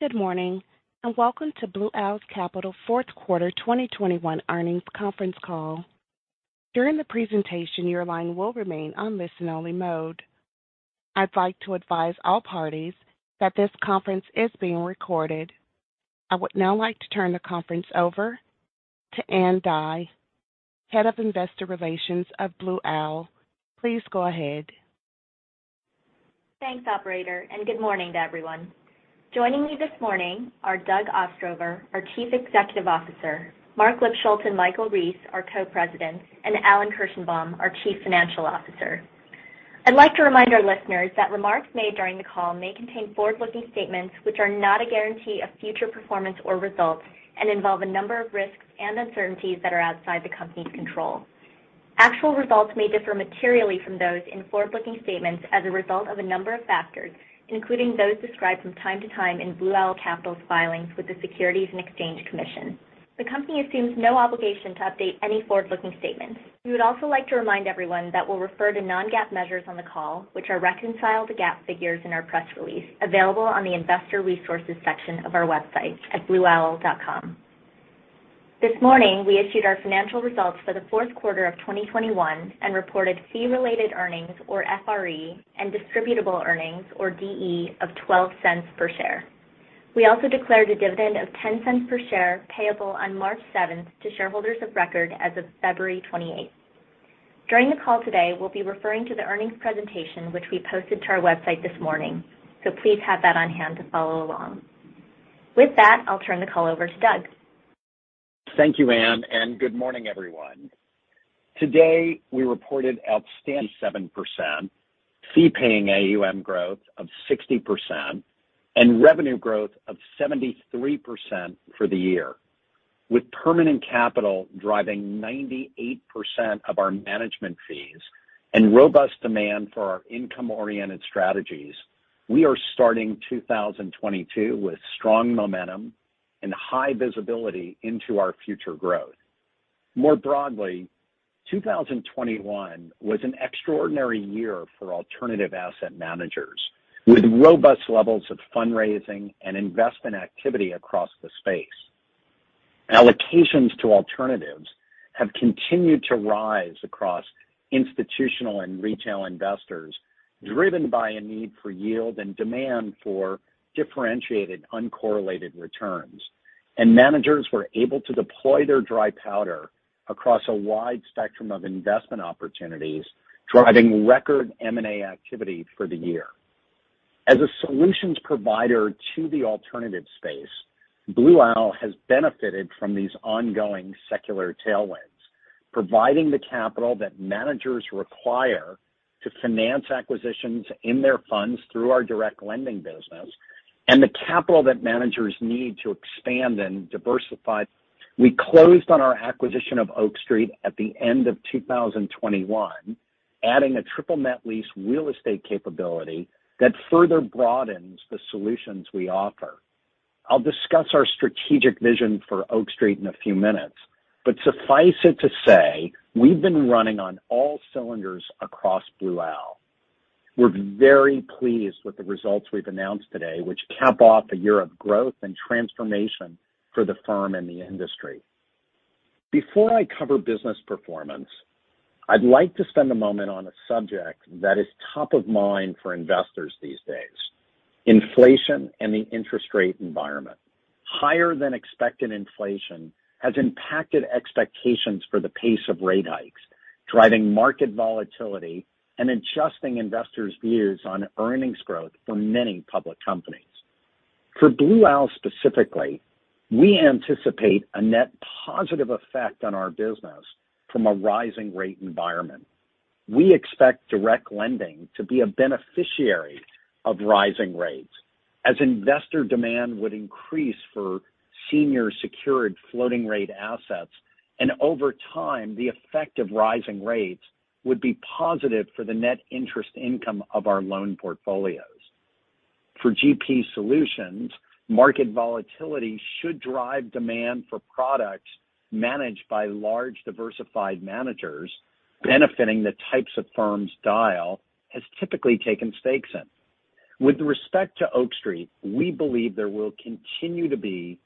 Good morning, and welcome to Blue Owl Capital's fourth quarter 2021 earnings conference call. During the presentation, your line will remain on listen-only mode. I'd like to advise all parties that this conference is being recorded. I would now like to turn the conference over to Ann Dai, Head of Investor Relations of Blue Owl Capital. Please go ahead. Thanks, operator, and good morning to everyone. Joining me this morning are Doug Ostrover, our Chief Executive Officer, Marc Lipschultz and Michael Rees, our Co-presidents, and Alan Kirshenbaum, our Chief Financial Officer. I'd like to remind our listeners that remarks made during the call may contain forward-looking statements which are not a guarantee of future performance or results and involve a number of risks and uncertainties that are outside the company's control. Actual results may differ materially from those in forward-looking statements as a result of a number of factors, including those described from time to time in Blue Owl Capital's filings with the Securities and Exchange Commission. The company assumes no obligation to update any forward-looking statements. We would also like to remind everyone that we'll refer to non-GAAP measures on the call, which are reconciled to GAAP figures in our press release, available on the Investor Resources section of our website at blueowl.com. This morning, we issued our financial results for the fourth quarter of 2021 and reported fee-related earnings, or FRE, and distributable earnings, or DE, of $0.12 per share. We also declared a dividend of $0.10 per share payable on March 7 to shareholders of record as of February 28. During the call today, we'll be referring to the earnings presentation, which we posted to our website this morning, so please have that on hand to follow along. With that, I'll turn the call over to Doug. Thank you, Anne, and good morning, everyone. Today, we reported outstanding 7% fee-paying AUM growth of 60%, and revenue growth of 73% for the year. With permanent capital driving 98% of our management fees and robust demand for our income-oriented strategies, we are starting 2022 with strong momentum and high visibility into our future growth. More broadly, 2021 was an extraordinary year for alternative asset managers with robust levels of fundraising and investment activity across the space. Allocations to alternatives have continued to rise across institutional and retail investors, driven by a need for yield and demand for differentiated uncorrelated returns. Managers were able to deploy their dry powder across a wide spectrum of investment opportunities, driving record M&A activity for the year. As a solutions provider to the alternative space, Blue Owl has benefited from these ongoing secular tailwinds, providing the capital that managers require to finance acquisitions in their funds through our direct lending business and the capital that managers need to expand and diversify. We closed on our acquisition of Oak Street at the end of 2021, adding a triple net lease real estate capability that further broadens the solutions we offer. I'll discuss our strategic vision for Oak Street in a few minutes, but suffice it to say we've been running on all cylinders across Blue Owl. We're very pleased with the results we've announced today, which cap off a year of growth and transformation for the firm and the industry. Before I cover business performance, I'd like to spend a moment on a subject that is top of mind for investors these days, inflation and the interest rate environment. Higher than expected inflation has impacted expectations for the pace of rate hikes, driving market volatility and adjusting investors' views on earnings growth for many public companies. For Blue Owl specifically, we anticipate a net positive effect on our business from a rising rate environment. We expect direct lending to be a beneficiary of rising rates as investor demand would increase for senior secured floating rate assets, and over time, the effect of rising rates would be positive for the net interest income of our loan portfolios. For GP Solutions, market volatility should drive demand for products managed by large diversified managers benefiting the types of firms Dyal has typically taken stakes in. With respect to Oak Street, we believe there will continue to be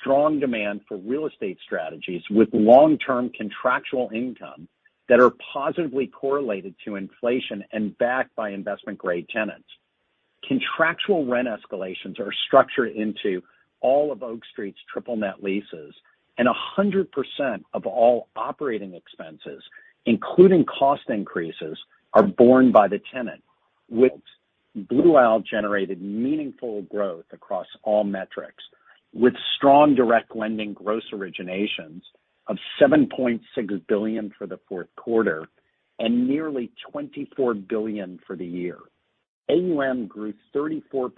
strong demand for real estate strategies with long-term contractual income that are positively correlated to inflation and backed by investment-grade tenants. Contractual rent escalations are structured into all of Oak Street's triple net leases, and 100% of all operating expenses, including cost increases, are borne by the tenant. Blue Owl generated meaningful growth across all metrics, with strong direct lending gross originations of $7.6 billion for the fourth quarter and nearly $24 billion for the year. AUM grew 34%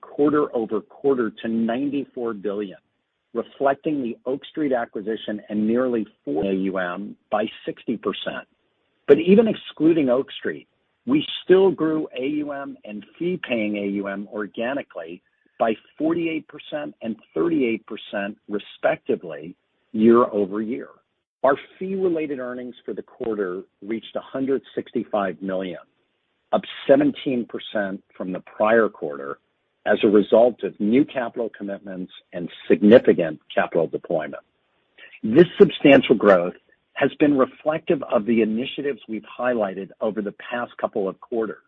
quarter-over-quarter to $94 billion, reflecting the Oak Street acquisition. Even excluding Oak Street, we still grew AUM and fee-paying AUM organically by 48% and 38% respectively year-over-year. Our fee-related earnings for the quarter reached $165 million, up 17% from the prior quarter as a result of new capital commitments and significant capital deployment. This substantial growth has been reflective of the initiatives we've highlighted over the past couple of quarters.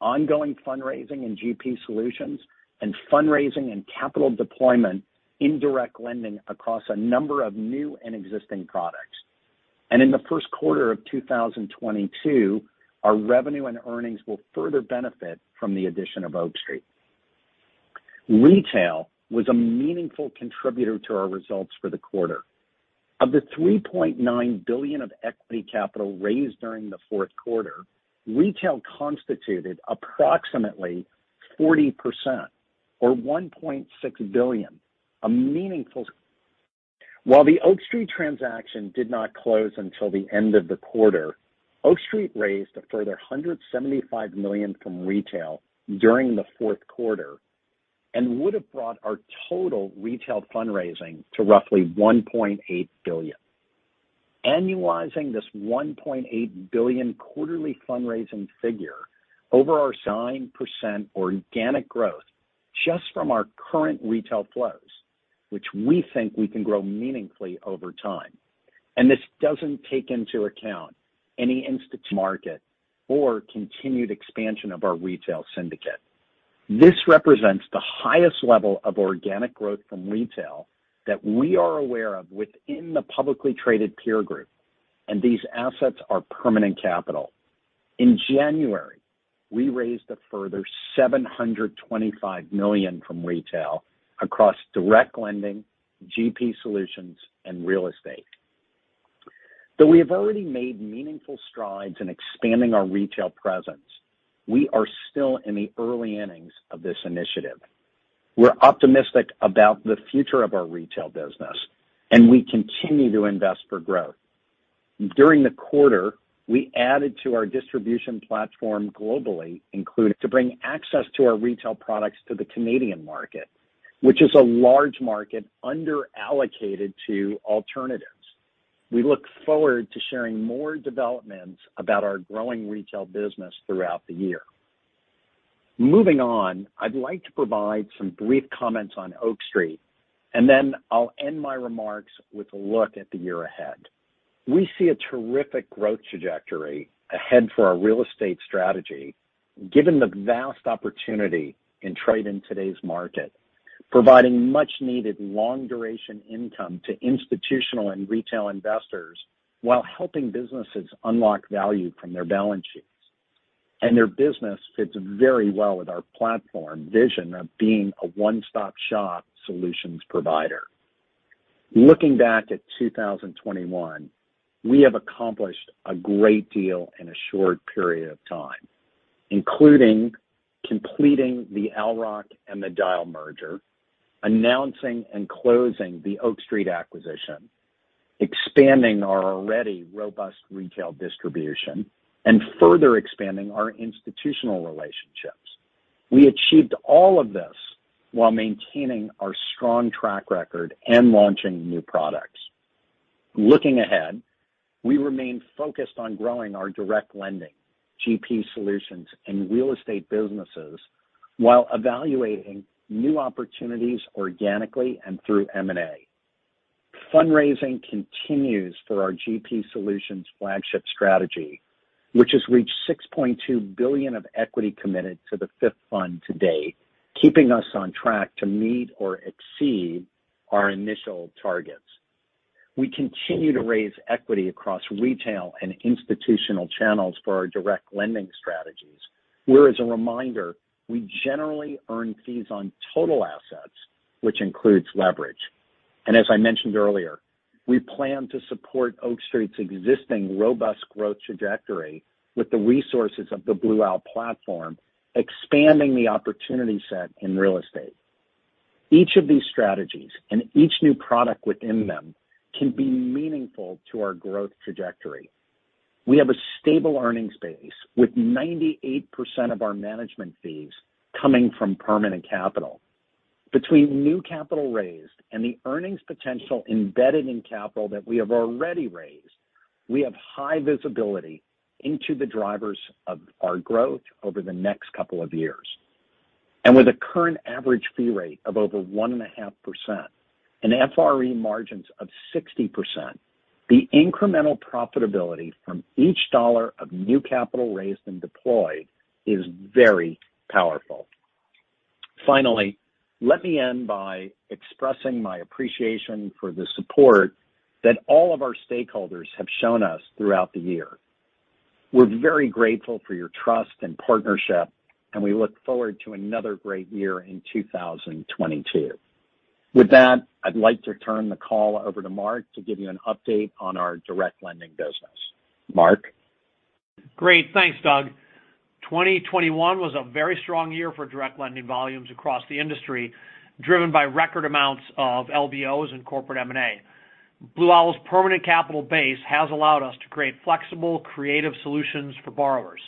Ongoing fundraising in GP solutions and fundraising and capital deployment in direct lending across a number of new and existing products. In the first quarter of 2022, our revenue and earnings will further benefit from the addition of Oak Street. Retail was a meaningful contributor to our results for the quarter. Of the $3.9 billion of equity capital raised during the fourth quarter, retail constituted approximately 40% or $1.6 billion, a meaningful. While the Oak Street transaction did not close until the end of the quarter, Oak Street raised a further $175 million from retail during the fourth quarter and would have brought our total retail fundraising to roughly $1.8 billion. Annualizing this $1.8 billion quarterly fundraising figure over our 9% organic growth just from our current retail flows, which we think we can grow meaningfully over time. This doesn't take into account any instant to market or continued expansion of our retail syndicate. This represents the highest level of organic growth from retail that we are aware of within the publicly traded peer group, and these assets are permanent capital. In January, we raised a further $725 million from retail across direct lending, GP Solutions, and real estate. Though we have already made meaningful strides in expanding our retail presence, we are still in the early innings of this initiative. We're optimistic about the future of our retail business, and we continue to invest for growth. During the quarter, we added to our distribution platform globally, including to bring access to our retail products to the Canadian market, which is a large market under-allocated to alternatives. We look forward to sharing more developments about our growing retail business throughout the year. Moving on, I'd like to provide some brief comments on Oak Street, and then I'll end my remarks with a look at the year ahead. We see a terrific growth trajectory ahead for our real estate strategy, given the vast opportunity in credit in today's market, providing much-needed long-duration income to institutional and retail investors while helping businesses unlock value from their balance sheets. Their business fits very well with our platform vision of being a one-stop-shop solutions provider. Looking back at 2021, we have accomplished a great deal in a short period of time, including completing the Owl Rock and Dyal merger, announcing and closing the Oak Street acquisition, expanding our already robust retail distribution, and further expanding our institutional relationships. We achieved all of this while maintaining our strong track record and launching new products. Looking ahead, we remain focused on growing our direct lending, GP Solutions, and real estate businesses while evaluating new opportunities organically and through M&A. Fundraising continues for our GP Solutions flagship strategy, which has reached $6.2 billion of equity committed to the fifth fund to date, keeping us on track to meet or exceed our initial targets. We continue to raise equity across retail and institutional channels for our direct lending strategies, where as a reminder, we generally earn fees on total assets, which includes leverage. As I mentioned earlier, we plan to support Oak Street's existing robust growth trajectory with the resources of the Blue Owl platform, expanding the opportunity set in real estate. Each of these strategies and each new product within them can be meaningful to our growth trajectory. We have a stable earnings base, with 98% of our management fees coming from permanent capital. Between new capital raised and the earnings potential embedded in capital that we have already raised, we have high visibility into the drivers of our growth over the next couple of years. With a current average fee rate of over 1.5% and FRE margins of 60%, the incremental profitability from each dollar of new capital raised and deployed is very powerful. Finally, let me end by expressing my appreciation for the support that all of our stakeholders have shown us throughout the year. We're very grateful for your trust and partnership, and we look forward to another great year in 2022. With that, I'd like to turn the call over to Marc to give you an update on our direct lending business. Marc? Great. Thanks, Doug. 2021 was a very strong year for direct lending volumes across the industry, driven by record amounts of LBOs and corporate M&A. Blue Owl's permanent capital base has allowed us to create flexible, creative solutions for borrowers.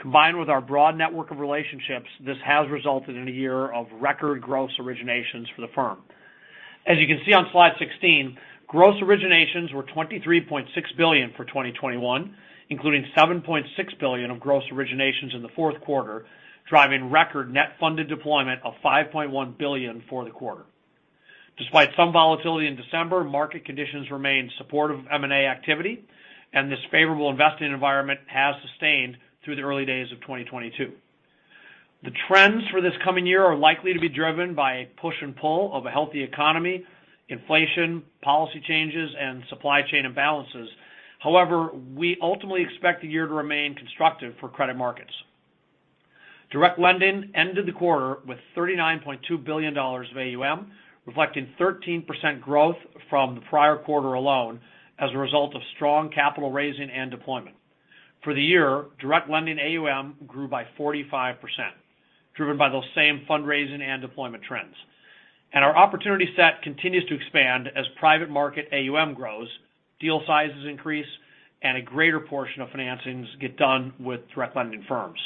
Combined with our broad network of relationships, this has resulted in a year of record gross originations for the firm. As you can see on slide 16, gross originations were $23.6 billion for 2021, including $7.6 billion of gross originations in the fourth quarter, driving record net funded deployment of $5.1 billion for the quarter. Despite some volatility in December, market conditions remained supportive of M&A activity, and this favorable investing environment has sustained through the early days of 2022. The trends for this coming year are likely to be driven by a push and pull of a healthy economy, inflation, policy changes, and supply chain imbalances. However, we ultimately expect the year to remain constructive for credit markets. Direct lending ended the quarter with $39.2 billion of AUM, reflecting 13% growth from the prior quarter alone as a result of strong capital raising and deployment. For the year, direct lending AUM grew by 45%, driven by those same fundraising and deployment trends. Our opportunity set continues to expand as private market AUM grows, deal sizes increase, and a greater portion of financings get done with direct lending firms.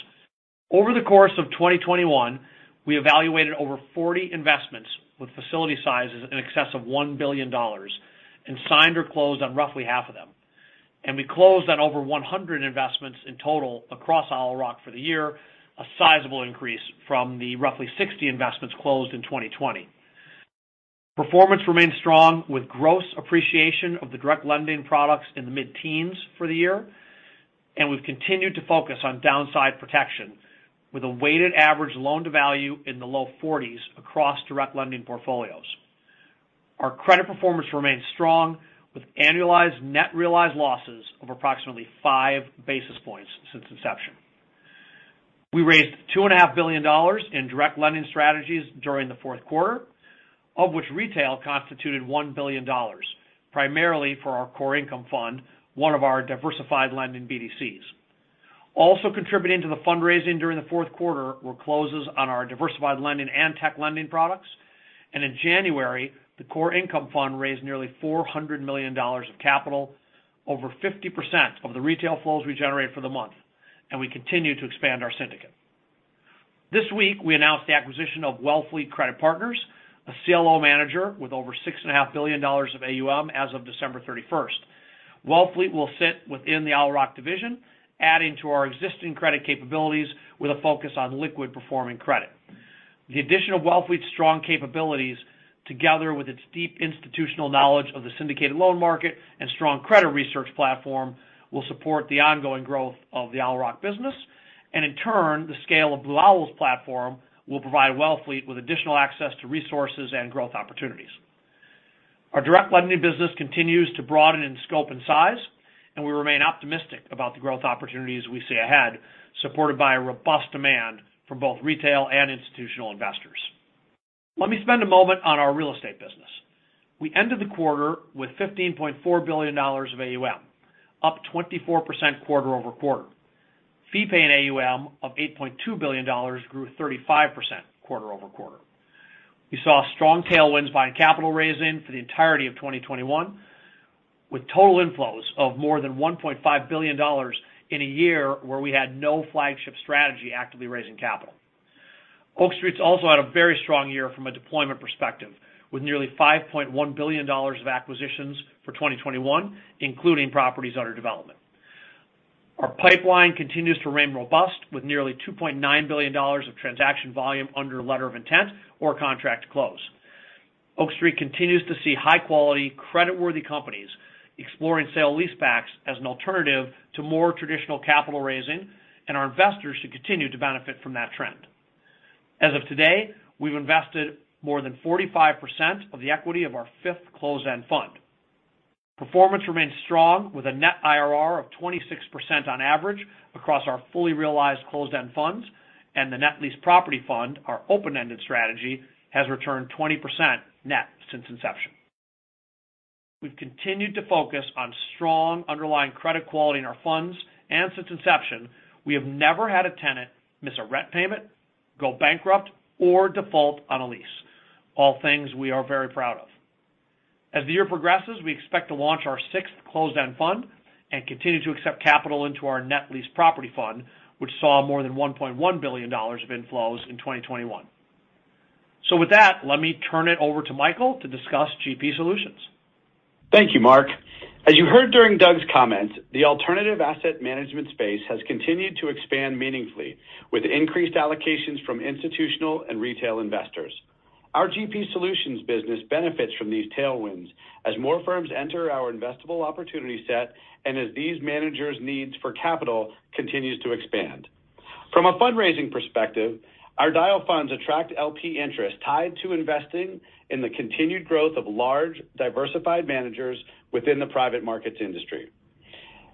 Over the course of 2021, we evaluated over 40 investments with facility sizes in excess of $1 billion and signed or closed on roughly half of them. We closed on over 100 investments in total across Owl Rock for the year, a sizable increase from the roughly 60 investments closed in 2020. Performance remained strong with gross appreciation of the direct lending products in the mid-teens% for the year. We've continued to focus on downside protection with a weighted average loan-to-value in the low 40s% across direct lending portfolios. Our credit performance remained strong with annualized net realized losses of approximately 5 basis points since inception. We raised $2.5 billion in direct lending strategies during the fourth quarter, of which retail constituted $1 billion, primarily for our Core Income Fund, one of our diversified lending BDCs. Also contributing to the fundraising during the fourth quarter were closes on our diversified lending and tech lending products. In January, the Core Income Fund raised nearly $400 million of capital, over 50% of the retail flows we generated for the month, and we continue to expand our syndicate. This week, we announced the acquisition of Wellfleet Credit Partners, a CLO manager with over $6.5 billion of AUM as of December 31. Wellfleet will sit within the Owl Rock division, adding to our existing credit capabilities with a focus on liquid performing credit. The addition of Wellfleet's strong capabilities, together with its deep institutional knowledge of the syndicated loan market and strong credit research platform, will support the ongoing growth of the Owl Rock business. In turn, the scale of Blue Owl's platform will provide Wellfleet with additional access to resources and growth opportunities. Our direct lending business continues to broaden in scope and size, and we remain optimistic about the growth opportunities we see ahead, supported by a robust demand from both retail and institutional investors. Let me spend a moment on our real estate business. We ended the quarter with $15.4 billion of AUM, up 24% quarter-over-quarter. Fee paying AUM of $8.2 billion grew 35% quarter-over-quarter. We saw strong tailwinds by capital raising for the entirety of 2021, with total inflows of more than $1.5 billion in a year where we had no flagship strategy actively raising capital. Oak Street's also had a very strong year from a deployment perspective, with nearly $5.1 billion of acquisitions for 2021, including properties under development. Our pipeline continues to remain robust with nearly $2.9 billion of transaction volume under letter of intent or contract close. Oak Street continues to see high-quality creditworthy companies exploring sale-leasebacks as an alternative to more traditional capital raising, and our investors should continue to benefit from that trend. As of today, we've invested more than 45% of the equity of our fifth closed-end fund. Performance remains strong with a net IRR of 26% on average across our fully realized closed-end funds, and the Net Lease Property Fund, our open-ended strategy, has returned 20% net since inception. We've continued to focus on strong underlying credit quality in our funds, and since inception, we have never had a tenant miss a rent payment, go bankrupt, or default on a lease, all things we are very proud of. As the year progresses, we expect to launch our sixth closed-end fund and continue to accept capital into our Net Lease Property Fund, which saw more than $1.1 billion of inflows in 2021. With that, let me turn it over to Michael to discuss GP Solutions. Thank you, Marc. As you heard during Doug's comments, the alternative asset management space has continued to expand meaningfully with increased allocations from institutional and retail investors. Our GP Solutions business benefits from these tailwinds as more firms enter our investable opportunity set and as these managers' needs for capital continues to expand. From a fundraising perspective, our Dyal funds attract LP interest tied to investing in the continued growth of large, diversified managers within the private markets industry.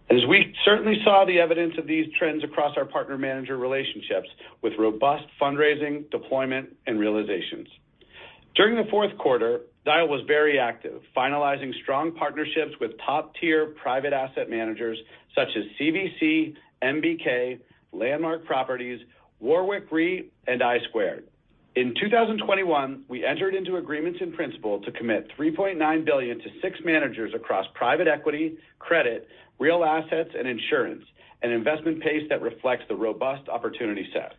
As we certainly saw the evidence of these trends across our partner manager relationships with robust fundraising, deployment, and realizations. During the fourth quarter, Dyal was very active, finalizing strong partnerships with top-tier private asset managers such as CVC, MBK, Landmark Properties, Warwick Re, and I Squared. In 2021, we entered into agreements in principle to commit $3.9 billion to six managers across private equity, credit, real assets, and insurance, an investment pace that reflects the robust opportunity set.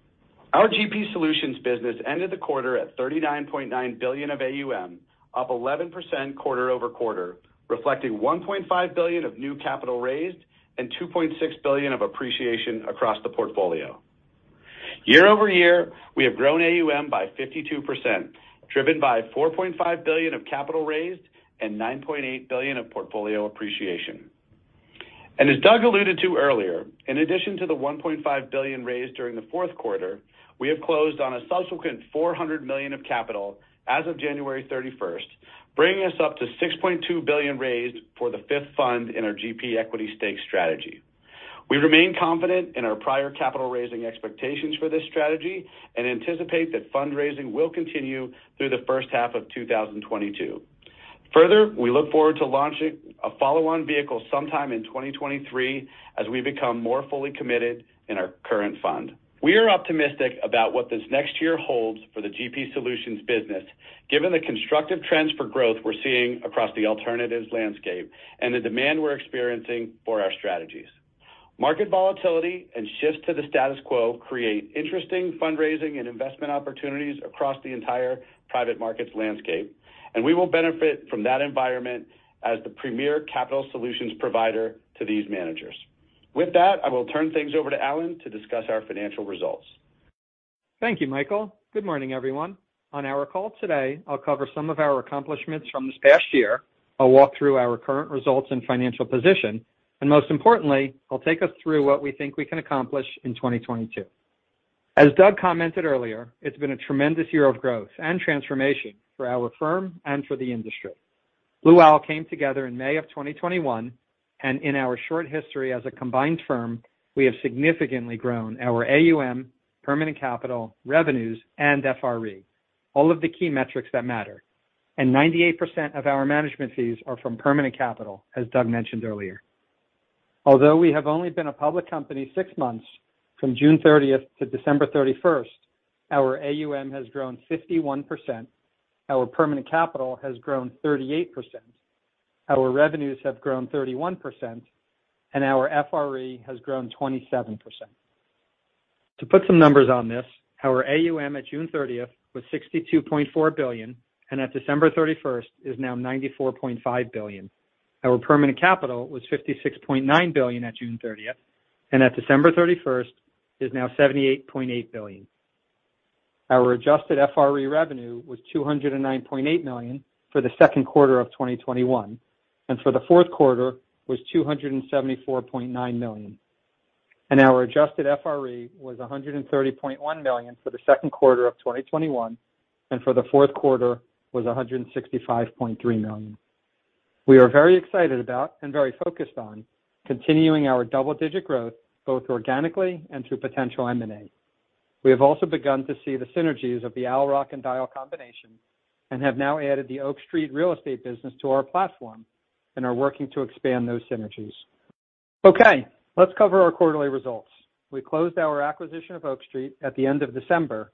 Our GP Solutions business ended the quarter at $39.9 billion of AUM, up 11% quarter-over-quarter, reflecting $1.5 billion of new capital raised and $2.6 billion of appreciation across the portfolio. Year-over-year, we have grown AUM by 52%, driven by $4.5 billion of capital raised and $9.8 billion of portfolio appreciation. As Doug alluded to earlier, in addition to the $1.5 billion raised during the fourth quarter, we have closed on a subsequent $400 million of capital as of January 31, bringing us up to $6.2 billion raised for the fifth fund in our GP equity stake strategy. We remain confident in our prior capital raising expectations for this strategy and anticipate that fundraising will continue through the first half of 2022. Further, we look forward to launching a follow-on vehicle sometime in 2023 as we become more fully committed in our current fund. We are optimistic about what this next year holds for the GP Solutions business, given the constructive trends for growth we're seeing across the alternatives landscape and the demand we're experiencing for our strategies. Market volatility and shifts to the status quo create interesting fundraising and investment opportunities across the entire private markets landscape, and we will benefit from that environment as the premier capital solutions provider to these managers. With that, I will turn things over to Alan to discuss our financial results. Thank you, Michael. Good morning, everyone. On our call today, I'll cover some of our accomplishments from this past year, I'll walk through our current results and financial position, and most importantly, I'll take us through what we think we can accomplish in 2022. As Doug commented earlier, it's been a tremendous year of growth and transformation for our firm and for the industry. Blue Owl came together in May of 2021, and in our short history as a combined firm, we have significantly grown our AUM, permanent capital, revenues, and FRE, all of the key metrics that matter. 98% of our management fees are from permanent capital, as Doug mentioned earlier. Although we have only been a public company six months from June 30 to December 31, our AUM has grown 51%, our permanent capital has grown 38%, our revenues have grown 31%, and our FRE has grown 27%. To put some numbers on this, our AUM at June 30 was $62.4 billion, and at December 31 is now $94.5 billion. Our permanent capital was $56.9 billion at June 30, and at December 31 is now $78.8 billion. Our adjusted FRE revenue was $209.8 million for the second quarter of 2021, and for the fourth quarter was $274.9 million. Our adjusted FRE was $130.1 million for the second quarter of 2021, and for the fourth quarter was $165.3 million. We are very excited about and very focused on continuing our double-digit growth, both organically and through potential M&A. We have also begun to see the synergies of the Owl Rock and Dyal combination and have now added the Oak Street Real Estate Capital business to our platform and are working to expand those synergies. Okay, let's cover our quarterly results. We closed our acquisition of Oak Street Real Estate Capital at the end of December,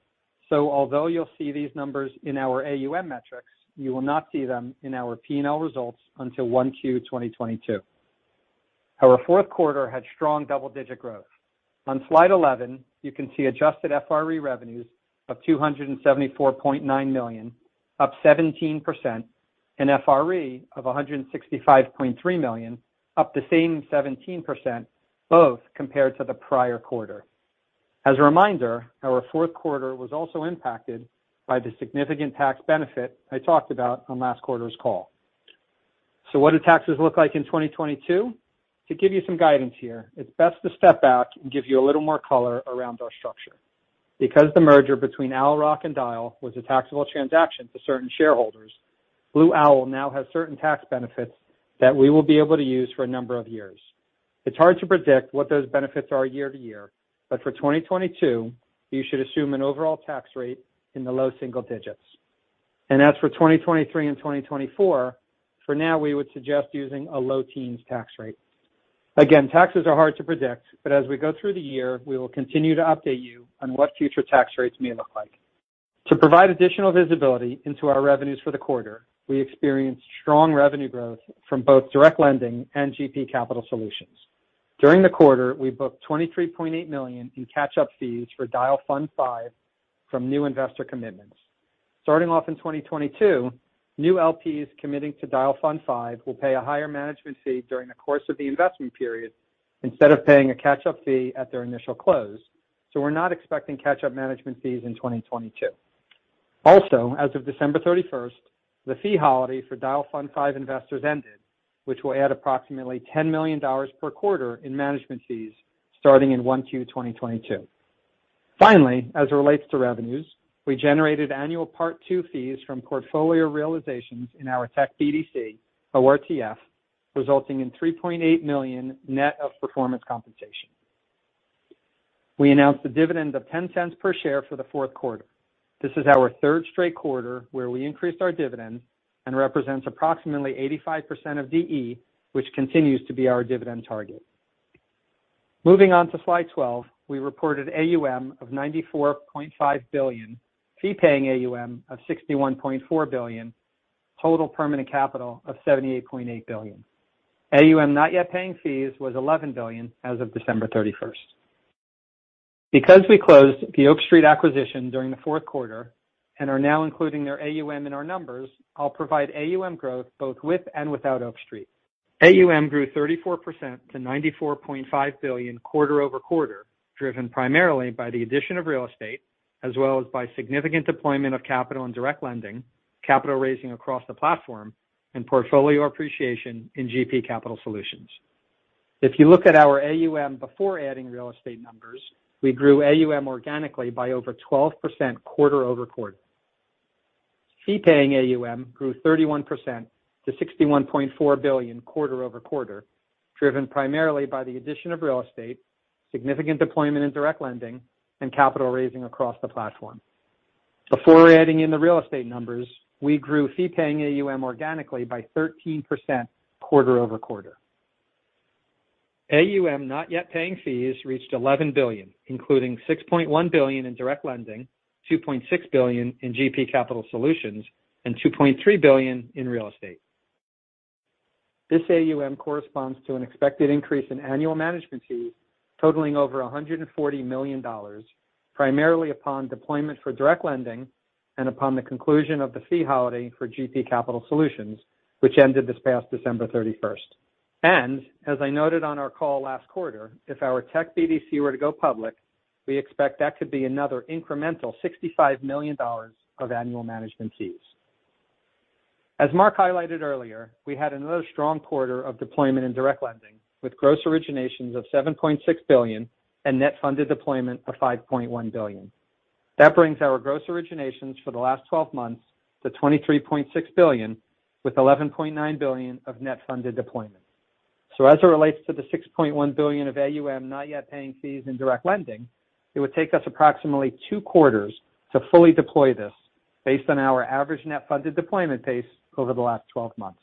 so although you'll see these numbers in our AUM metrics, you will not see them in our P&L results until 1Q 2022. Our fourth quarter had strong double-digit growth. On slide 11, you can see adjusted FRE revenues of $274.9 million, up 17%, and FRE of $165.3 million, up the same 17%, both compared to the prior quarter. As a reminder, our fourth quarter was also impacted by the significant tax benefit I talked about on last quarter's call. What do taxes look like in 2022? To give you some guidance here, it's best to step back and give you a little more color around our structure. Because the merger between Owl Rock and Dyal was a taxable transaction to certain shareholders, Blue Owl now has certain tax benefits that we will be able to use for a number of years. It's hard to predict what those benefits are year to year, but for 2022, you should assume an overall tax rate in the low single digits. As for 2023 and 2024, for now, we would suggest using a low teens tax rate. Again, taxes are hard to predict, but as we go through the year, we will continue to update you on what future tax rates may look like. To provide additional visibility into our revenues for the quarter, we experienced strong revenue growth from both direct lending and GP Capital Solutions. During the quarter, we booked $23.8 million in catch-up fees for Dyal Fund V from new investor commitments. Starting off in 2022, new LPs committing to Dyal Fund V will pay a higher management fee during the course of the investment period instead of paying a catch-up fee at their initial close. We're not expecting catch-up management fees in 2022. Also, as of December 31, the fee holiday for Dyal Fund V investors ended, which will add approximately $10 million per quarter in management fees starting in 1Q 2022. Finally, as it relates to revenues, we generated annual Part II fees from portfolio realizations in our tech BDC, ORTF, resulting in $3.8 million net of performance compensation. We announced a dividend of $0.10 per share for the fourth quarter. This is our third straight quarter where we increased our dividend and represents approximately 85% of DE, which continues to be our dividend target. Moving on to slide 12. We reported AUM of $94.5 billion, fee-paying AUM of $61.4 billion, total permanent capital of $78.8 billion. AUM not yet paying fees was $11 billion as of December 31. Because we closed the Oak Street acquisition during the fourth quarter and are now including their AUM in our numbers, I'll provide AUM growth both with and without Oak Street. AUM grew 34% to $94.5 billion quarter-over-quarter, driven primarily by the addition of real estate as well as by significant deployment of capital and direct lending, capital raising across the platform and portfolio appreciation in GP Capital Solutions. If you look at our AUM before adding real estate numbers, we grew AUM organically by over 12% quarter-over-quarter. Fee-paying AUM grew 31% to $61.4 billion quarter-over-quarter, driven primarily by the addition of real estate, significant deployment in direct lending and capital raising across the platform. Before adding in the real estate numbers, we grew fee-paying AUM organically by 13% quarter-over-quarter. AUM not yet paying fees reached $11 billion, including $6.1 billion in direct lending, $2.6 billion in GP Capital Solutions, and $2.3 billion in real estate. This AUM corresponds to an expected increase in annual management fees totaling over $140 million, primarily upon deployment for direct lending and upon the conclusion of the fee holiday for GP Capital Solutions, which ended this past December 31. As I noted on our call last quarter, if our tech BDC were to go public, we expect that could be another incremental $65 million of annual management fees. As Mark highlighted earlier, we had another strong quarter of deployment in direct lending, with gross originations of $7.6 billion and net funded deployment of $5.1 billion. That brings our gross originations for the last 12 months to $23.6 billion, with $11.9 billion of net funded deployment. As it relates to the $6.1 billion of AUM not yet paying fees in direct lending, it would take us approximately two quarters to fully deploy this based on our average net funded deployment pace over the last 12 months.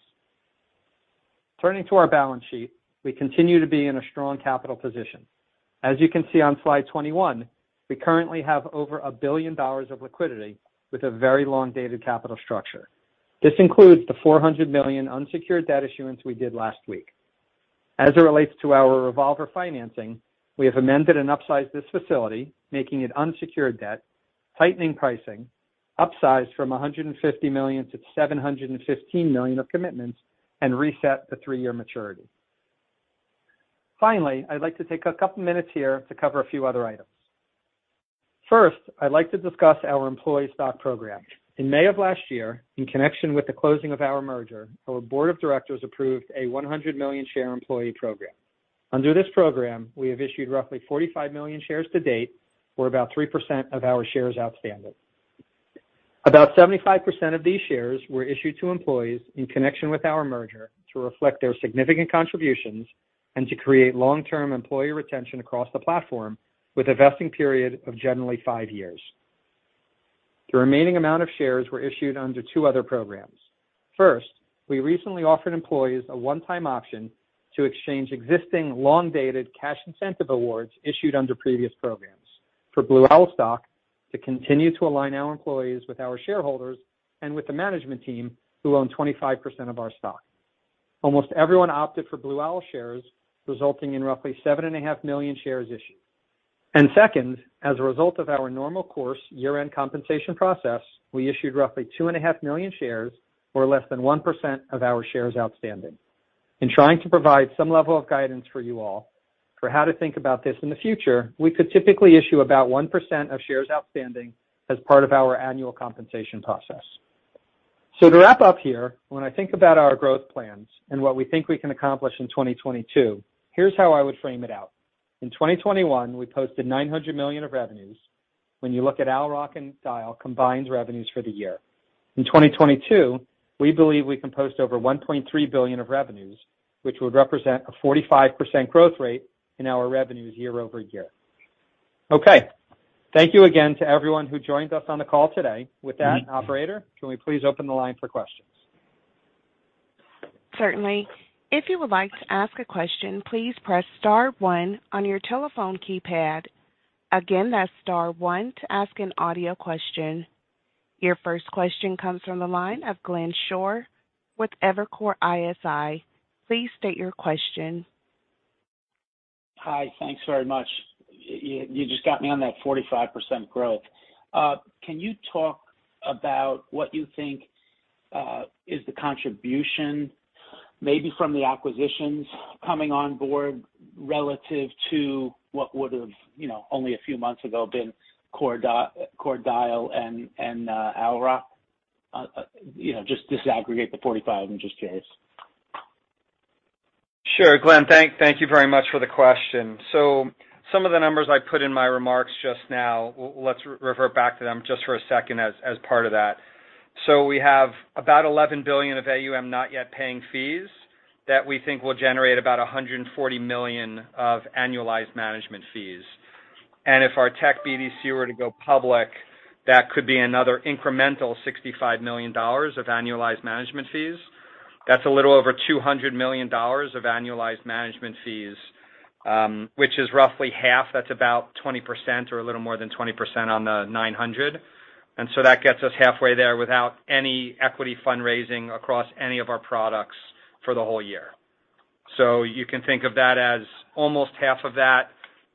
Turning to our balance sheet. We continue to be in a strong capital position. As you can see on slide 21, we currently have over $1 billion of liquidity with a very long dated capital structure. This includes the $400 million unsecured debt issuance we did last week. As it relates to our revolver financing, we have amended and upsized this facility, making it unsecured debt, tightening pricing, upsized from $150 million to $715 million of commitments and reset the three-year maturity. Finally, I'd like to take a couple minutes here to cover a few other items. First, I'd like to discuss our employee stock program. In May of last year, in connection with the closing of our merger, our board of directors approved a 100 million share employee program. Under this program, we have issued roughly 45 million shares to date, or about 3% of our shares outstanding. About 75% of these shares were issued to employees in connection with our merger to reflect their significant contributions and to create long-term employee retention across the platform with a vesting period of generally five years. The remaining amount of shares were issued under two other programs. First, we recently offered employees a one-time option to exchange existing long-dated cash incentive awards issued under previous programs for Blue Owl stock to continue to align our employees with our shareholders and with the management team, who own 25% of our stock. Almost everyone opted for Blue Owl shares, resulting in roughly 7.5 million shares issued. Second, as a result of our normal course year-end compensation process, we issued roughly 2.5 million shares or less than 1% of our shares outstanding. In trying to provide some level of guidance for you all for how to think about this in the future, we could typically issue about 1% of shares outstanding as part of our annual compensation process. To wrap up here, when I think about our growth plans and what we think we can accomplish in 2022, here's how I would frame it out. In 2021, we posted $900 million of revenues when you look at Owl Rock and Dyal combined revenues for the year. In 2022, we believe we can post over $1.3 billion of revenues, which would represent a 45% growth rate in our revenues year-over-year. Okay. Thank you again to everyone who joined us on the call today. With that, operator, can we please open the line for questions? Certainly. If you would like to ask a question, please press star one on your telephone keypad. Again, that's star one to ask an audio question. Your first question comes from the line of Glenn Schorr with Evercore ISI. Please state your question. Hi. Thanks very much. You just got me on that 45% growth. Can you talk about what you think is the contribution maybe from the acquisitions coming on board relative to what would have, you know, only a few months ago been core Dyal and Oak? You know, just disaggregate the 45 and just say. Sure. Glenn, thank you very much for the question. Some of the numbers I put in my remarks just now, let's revert back to them just for a second as part of that. We have about $11 billion of AUM not yet paying fees that we think will generate about $140 million of annualized management fees. If our tech BDC were to go public, that could be another incremental $65 million of annualized management fees. That's a little over $200 million of annualized management fees, which is roughly half. That's about 20% or a little more than 20% on the 900. That gets us halfway there without any equity fundraising across any of our products for the whole year. You can think of that as almost half of that,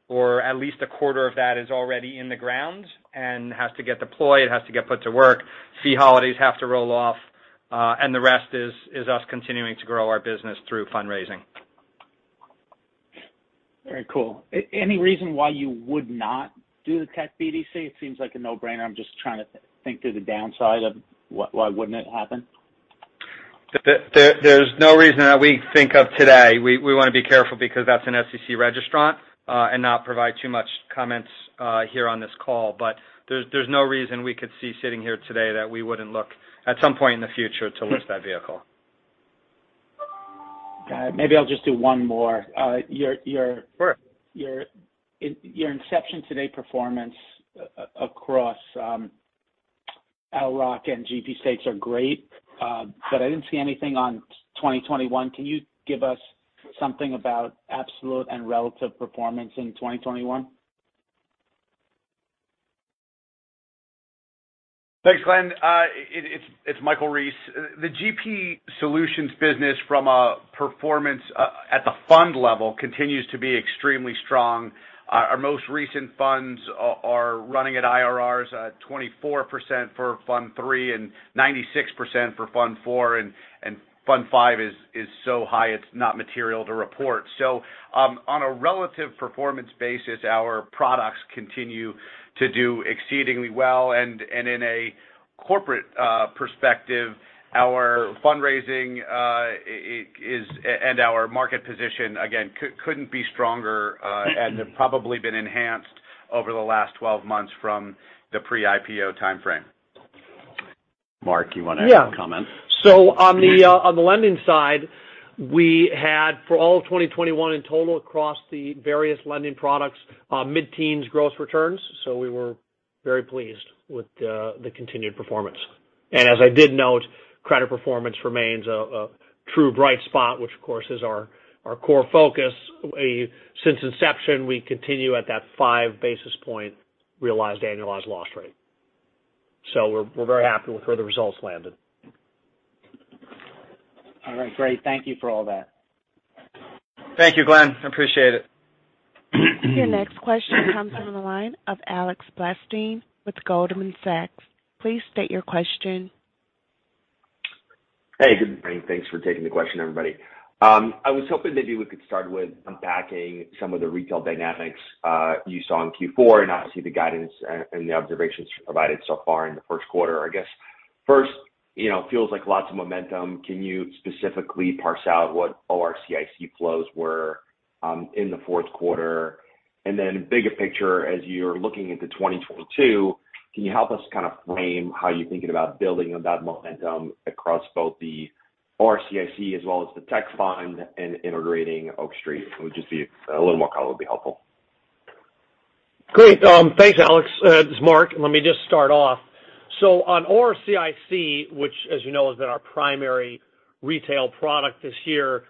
or at least a quarter of that is already in the ground and has to get deployed. It has to get put to work. Fee holidays have to roll off, and the rest is us continuing to grow our business through fundraising. Very cool. Any reason why you would not do the tech BDC? It seems like a no-brainer. I'm just trying to think through the downside of why wouldn't it happen. There's no reason that we think of today. We wanna be careful because that's an SEC registrant and not provide too much comments here on this call. There's no reason we could see sitting here today that we wouldn't look at some point in the future to list that vehicle. Got it. Maybe I'll just do one more. your- Sure. Your inception-to-date performance across ORCIC and GP stakes are great, but I didn't see anything on 2021. Can you give us something about absolute and relative performance in 2021? Thanks, Glenn. It's Michael Rees. The GP Solutions business from a performance at the fund level continues to be extremely strong. Our most recent funds are running at IRRs at 24% for fund III and 96% for fund IV, and fund V is so high it's not material to report. On a relative performance basis, our products continue to do exceedingly well. In a corporate perspective, our fundraising and our market position, again, couldn't be stronger and have probably been enhanced over the last 12 months from the pre-IPO timeframe. Marc, you wanna add a comment? Yeah. On the lending side, we had for all of 2021 in total across the various lending products, mid-teens gross returns. We were very pleased with the continued performance. As I did note, credit performance remains a true bright spot, which of course is our core focus. Since inception, we continue at that 5 basis points realized annualized loss rate. We're very happy with where the results landed. All right, great. Thank you for all that. Thank you, Glenn. I appreciate it. Your next question comes from the line of Alex Blostein with Goldman Sachs. Please state your question. Hey, good morning. Thanks for taking the question, everybody. I was hoping maybe we could start with unpacking some of the retail dynamics you saw in Q4, and obviously the guidance and the observations provided so far in the first quarter. I guess first, you know, feels like lots of momentum. Can you specifically parse out what ORCIC flows were in the fourth quarter? And then bigger picture, as you're looking into 2022, can you help us kind of frame how you're thinking about building on that momentum across both the ORCIC as well as the tech fund and integrating Oak Street? It would just be a little more color would be helpful. Great. Thanks, Alex. It's Marc. Let me just start off. On ORCIC, which as you know, has been our primary retail product this year,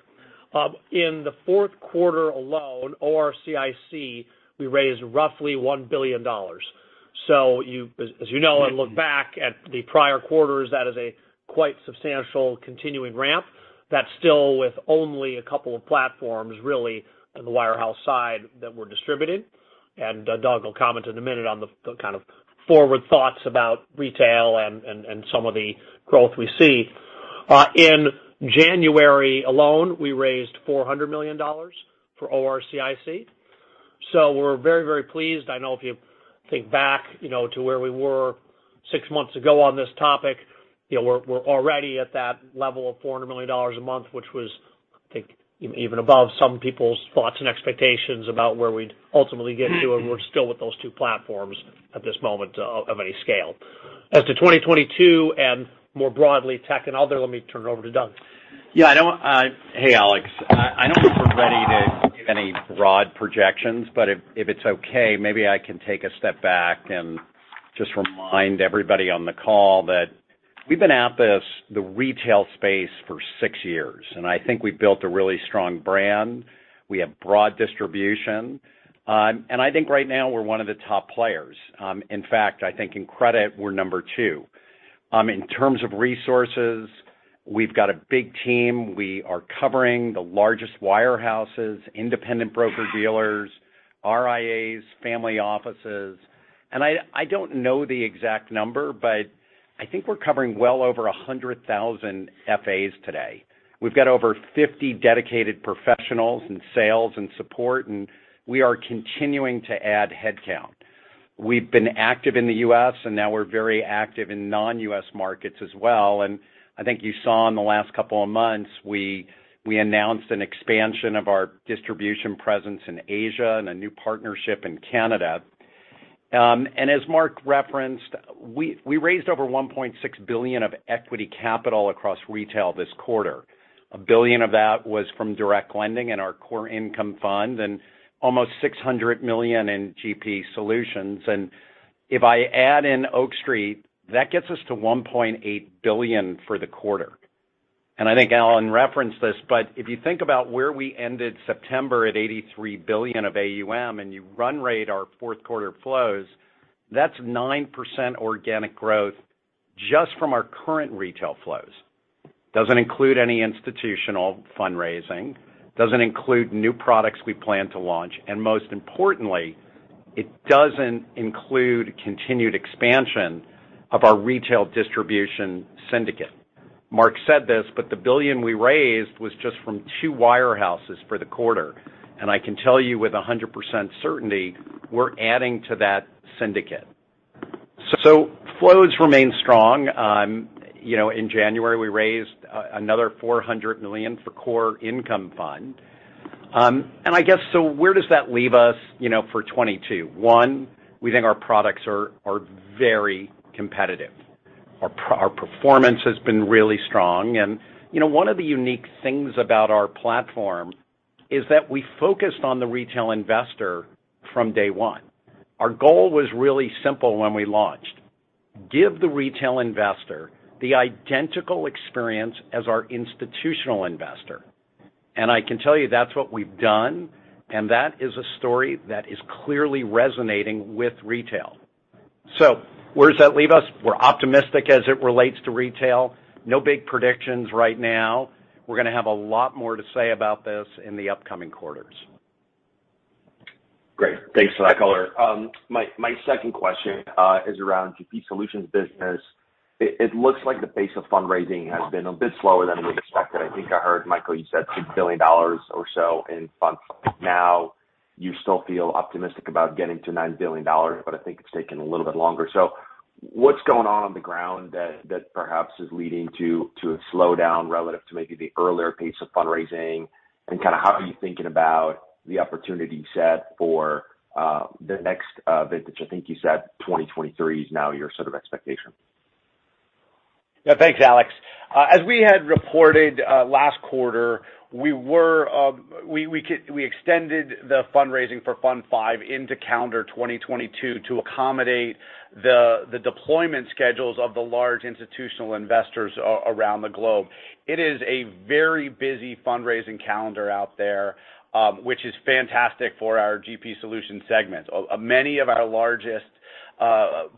in the fourth quarter alone, ORCIC, we raised roughly $1 billion. As you know, and look back at the prior quarters, that is a quite substantial continuing ramp. That's still with only a couple of platforms really on the wirehouse side that we're distributing. Doug will comment in a minute on the kind of forward thoughts about retail and some of the growth we see. In January alone, we raised $400 million for ORCIC. We're very, very pleased. I know if you think back, you know, to where we were six months ago on this topic, you know, we're already at that level of $400 million a month, which was, I think even above some people's thoughts and expectations about where we'd ultimately get to, and we're still with those two platforms at this moment of any scale. As to 2022 and more broadly tech and other, let me turn it over to Doug. Yeah. I don't... Hey, Alex. I don't think we're ready to give any broad projections, but if it's okay, maybe I can take a step back and just remind everybody on the call that we've been in the retail space for six years, and I think we've built a really strong brand. We have broad distribution. I think right now we're one of the top players. In fact, I think in credit we're number two. In terms of resources, we've got a big team. We are covering the largest wire houses, independent broker dealers, RIAs, family offices. I don't know the exact number, but I think we're covering well over 100,000 FAs today. We've got over 50 dedicated professionals in sales and support, and we are continuing to add headcount. We've been active in the U.S., and now we're very active in non-U.S. markets as well. I think you saw in the last couple of months, we announced an expansion of our distribution presence in Asia and a new partnership in Canada. As Marc referenced, we raised over $1.6 billion of equity capital across retail this quarter. $1 billion of that was from direct lending and our Core Income Fund, and almost $600 million in GP Solutions. If I add in Oak Street, that gets us to $1.8 billion for the quarter. I think Alan referenced this, but if you think about where we ended September at $83 billion of AUM, and you run rate our fourth quarter flows, that's 9% organic growth just from our current retail flows. Doesn't include any institutional fundraising, doesn't include new products we plan to launch, and most importantly, it doesn't include continued expansion of our retail distribution syndicate. Marc said this, but the $1 billion we raised was just from two wirehouses for the quarter. I can tell you with 100% certainty, we're adding to that syndicate. Flows remain strong. In January, we raised another $400 million for Core Income Fund. I guess, so where does that leave us, you know, for 2022? One, we think our products are very competitive. Our performance has been really strong and one of the unique things about our platform is that we focused on the retail investor from day one. Our goal was really simple when we launched, give the retail investor the identical experience as our institutional investor. I can tell you that's what we've done, and that is a story that is clearly resonating with retail. Where does that leave us? We're optimistic as it relates to retail. No big predictions right now. We're gonna have a lot more to say about this in the upcoming quarters. Great. Thanks for that color. My second question is around GP Solutions business. It looks like the pace of fundraising has been a bit slower than we expected. I think I heard Michael, you said $6 billion or so in funds. Now, you still feel optimistic about getting to $9 billion, but I think it's taking a little bit longer. What's going on on the ground that perhaps is leading to a slowdown relative to maybe the earlier pace of fundraising? And kinda how are you thinking about the opportunity set for the next vintage? I think you said 2023 is now your sort of expectation. Yeah. Thanks, Alex. As we had reported last quarter, we extended the fundraising for fund five into calendar 2022 to accommodate the deployment schedules of the large institutional investors around the globe. It is a very busy fundraising calendar out there, which is fantastic for our GP Solutions segment. Many of our largest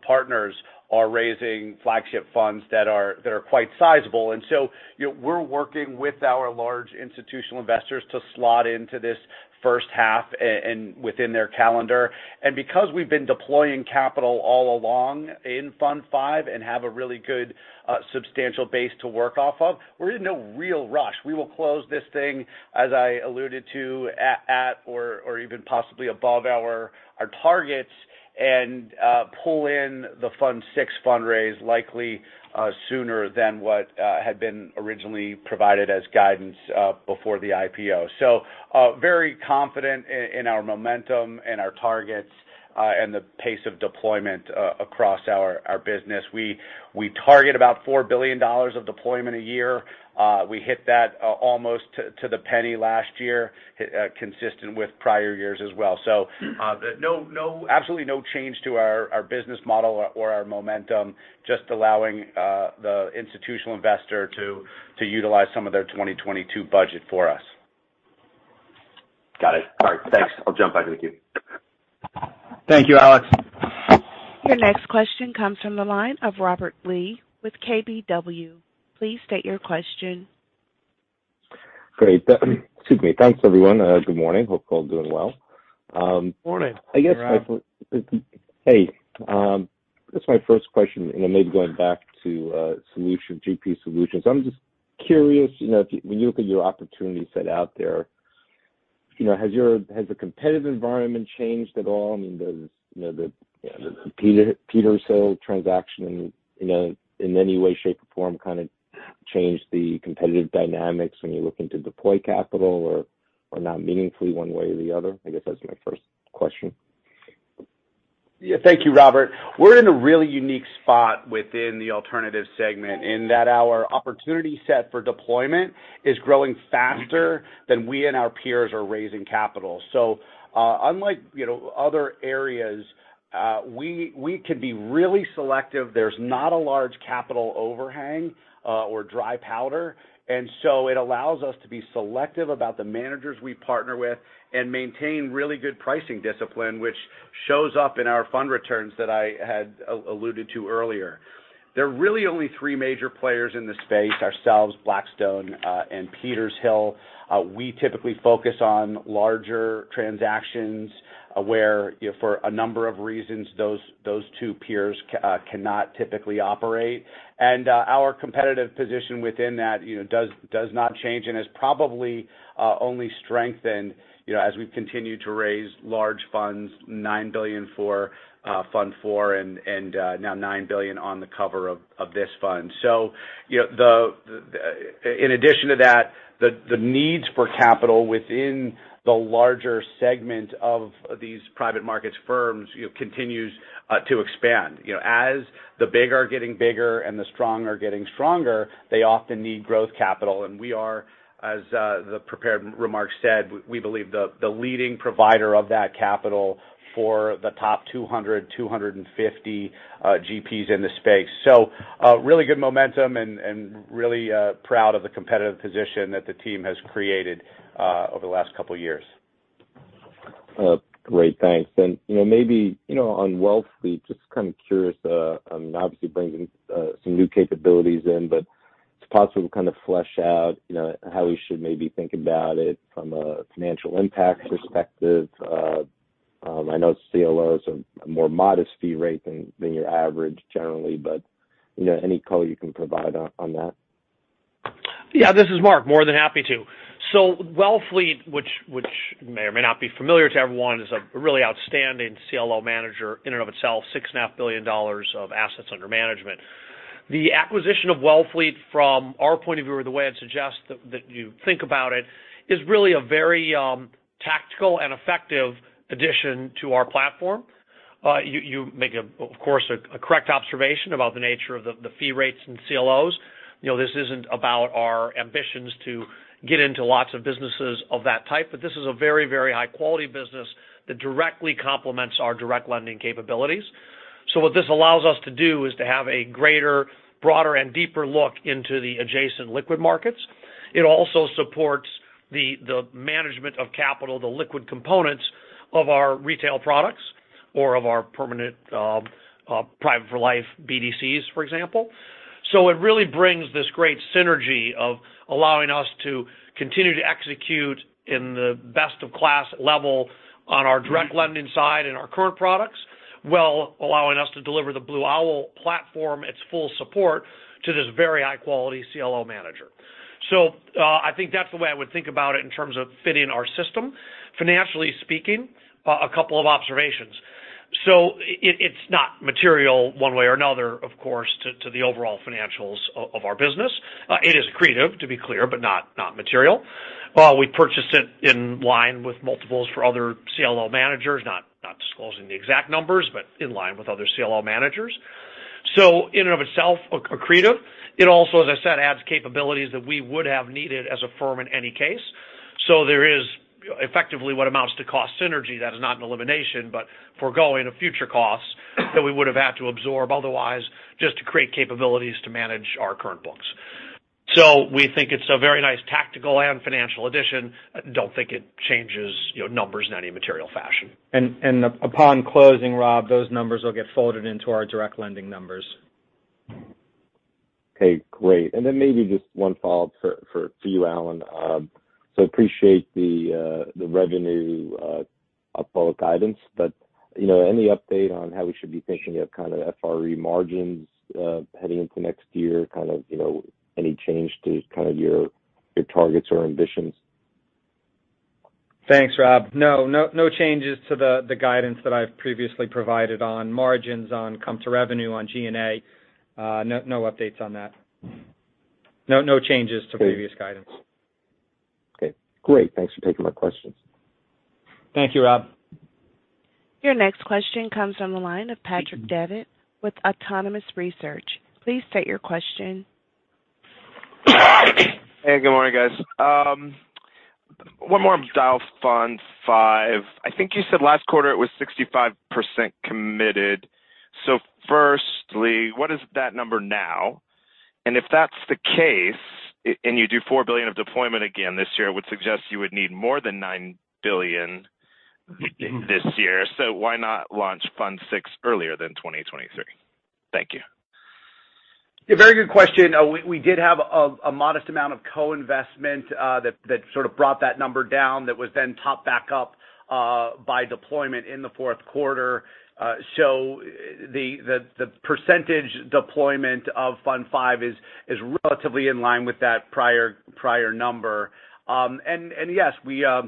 partners are raising flagship funds that are quite sizable. You know, we're working with our large institutional investors to slot into this first half and within their calendar. Because we've been deploying capital all along in fund five and have a really good substantial base to work off of, we're in no real rush. We will close this thing, as I alluded to, at or even possibly above our targets and pull in the Fund VI fundraise likely sooner than what had been originally provided as guidance before the IPO. Very confident in our momentum and our targets and the pace of deployment across our business. We target about $4 billion of deployment a year. We hit that almost to the penny last year, consistent with prior years as well. Absolutely no change to our business model or our momentum, just allowing the institutional investor to utilize some of their 2022 budget for us. Got it. All right. Thanks. I'll jump back in the queue. Thank you, Alex. Your next question comes from the line of Robert Lee with KBW. Please state your question. Great. Excuse me. Thanks, everyone. Good morning. Hope you're all doing well. Morning. I guess my f- Hey, Rob. Hey. That's my first question, and then maybe going back to GP Solutions. I'm just curious, you know, if when you look at your opportunity set out there, you know, has the competitive environment changed at all? I mean, does, you know, the Petershill transaction, you know, in any way, shape, or form kinda change the competitive dynamics when you're looking to deploy capital or not meaningfully one way or the other? I guess that's my first question. Yeah. Thank you, Robert. We're in a really unique spot within the alternative segment in that our opportunity set for deployment is growing faster than we and our peers are raising capital. Unlike, you know, other areas, we can be really selective. There's not a large capital overhang or dry powder. It allows us to be selective about the managers we partner with and maintain really good pricing discipline, which shows up in our fund returns that I had alluded to earlier. There are really only three major players in this space, ourselves, Blackstone, and Petershill. We typically focus on larger transactions where, you know, for a number of reasons, those two peers cannot typically operate. Our competitive position within that, you know, does not change and has probably only strengthened, you know, as we've continued to raise large funds, $9 billion for fund IV and now $9 billion on the cover of this fund. You know, in addition to that, the needs for capital within The larger segment of these private markets firms, you know, continues to expand. You know, as the bigger are getting bigger and the stronger are getting stronger, they often need growth capital. We are, as the prepared remarks said, we believe the leading provider of that capital for the top 200 to 250 GPs in the space. Really good momentum and really proud of the competitive position that the team has created over the last couple years. Great. Thanks. You know, maybe, you know, on Wellfleet, just kind of curious, I mean, obviously bringing some new capabilities in, but is it possible to kind of flesh out, you know, how we should maybe think about it from a financial impact perspective. I know CLOs have a more modest fee rate than your average generally, but, you know, any color you can provide on that. Yeah, this is Marc. More than happy to. Wellfleet, which may or may not be familiar to everyone, is a really outstanding CLO manager in and of itself, $6.5 billion of assets under management. The acquisition of Wellfleet from our point of view or the way I'd suggest that you think about it is really a very tactical and effective addition to our platform. You make a correct observation about the nature of the fee rates in CLOs. You know, this isn't about our ambitions to get into lots of businesses of that type. This is a very high-quality business that directly complements our direct lending capabilities. What this allows us to do is to have a greater, broader, and deeper look into the adjacent liquid markets. It also supports the management of capital, the liquid components of our retail products or of our permanent, private for life BDCs, for example. It really brings this great synergy of allowing us to continue to execute in the best-of-class level on our direct lending side and our current products, while allowing us to deliver the Blue Owl platform its full support to this very high-quality CLO manager. I think that's the way I would think about it in terms of fitting our system. Financially speaking, a couple of observations. It's not material one way or another, of course, to the overall financials of our business. It is accretive, to be clear, but not material. We purchased it in line with multiples for other CLO managers, not disclosing the exact numbers, but in line with other CLO managers. In and of itself accretive. It also, as I said, adds capabilities that we would have needed as a firm in any case. There is effectively what amounts to cost synergy that is not an elimination, but foregoing of future costs that we would have had to absorb otherwise just to create capabilities to manage our current books. We think it's a very nice tactical and financial addition. Don't think it changes, you know, numbers in any material fashion. Upon closing, Rob, those numbers will get folded into our direct lending numbers. Okay, great. Maybe just one follow-up for you, Alan. So appreciate the revenue public guidance. You know, any update on how we should be thinking of kind of FRE margins heading into next year, kind of, you know, any change to kind of your targets or ambitions? Thanks, Rob. No changes to the guidance that I've previously provided on margins, on comp to revenue, on G&A. No updates on that. No changes to previous guidance. Okay, great. Thanks for taking my questions. Thank you, Rob. Your next question comes from the line of Patrick Davitt with Autonomous Research. Please state your question. Hey, good morning, guys. One more on Dyal Fund V. I think you said last quarter it was 65% committed. Firstly, what is that number now? If that's the case, and you do $4 billion of deployment again this year, I would suggest you would need more than $9 billion this year. Why not launch Fund VI earlier than 2023? Thank you. Yeah, very good question. We did have a modest amount of co-investment that sort of brought that number down that was then topped back up by deployment in the fourth quarter. So the percentage deployment of Fund V is relatively in line with that prior number. Yes, you know,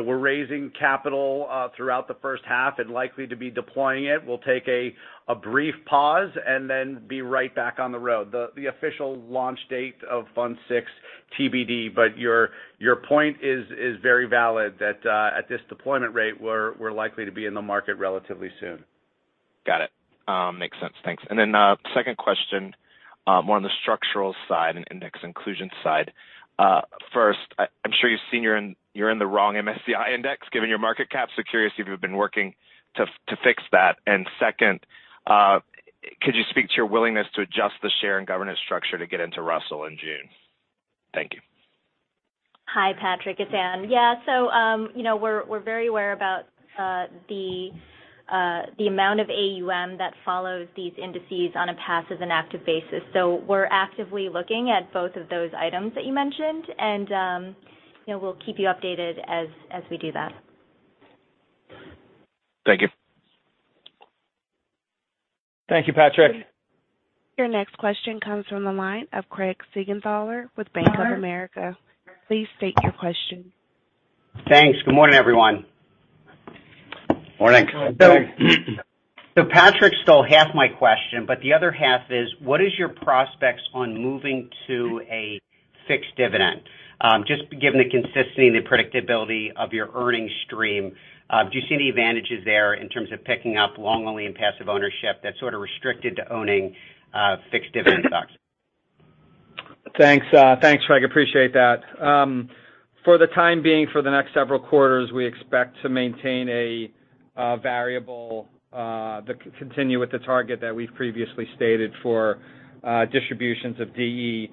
we're raising capital throughout the first half and likely to be deploying it. We'll take a brief pause and then be right back on the road. The official launch date of Fund VI TBD. Your point is very valid that at this deployment rate, we're likely to be in the market relatively soon. Got it. Makes sense. Thanks. Second question, more on the structural side and index inclusion side. First, I'm sure you've seen you're in the wrong MSCI index given your market cap. Curious if you've been working to fix that. Second, could you speak to your willingness to adjust the share and governance structure to get into Russell in June? Thank you. Hi, Patrick. It's Ann. Yeah, so, you know, we're very aware about the amount of AUM that follows these indices on a passive and active basis. We're actively looking at both of those items that you mentioned, and, you know, we'll keep you updated as we do that. Thank you. Thank you, Patrick. Your next question comes from the line of Craig Siegenthaler with Bank of America. Please state your question. Thanks. Good morning, everyone. Morning. Patrick stole half my question, but the other half is what is your prospects on moving to a fixed dividend? Just given the consistency and the predictability of your earnings stream, do you see any advantages there in terms of picking up long-only and passive ownership that's sort of restricted to owning fixed dividend stocks? Thanks. Thanks, Craig Siegenthaler. Appreciate that. For the time being, for the next several quarters, we expect to maintain a variable, continue with the target that we've previously stated for distributions of DE.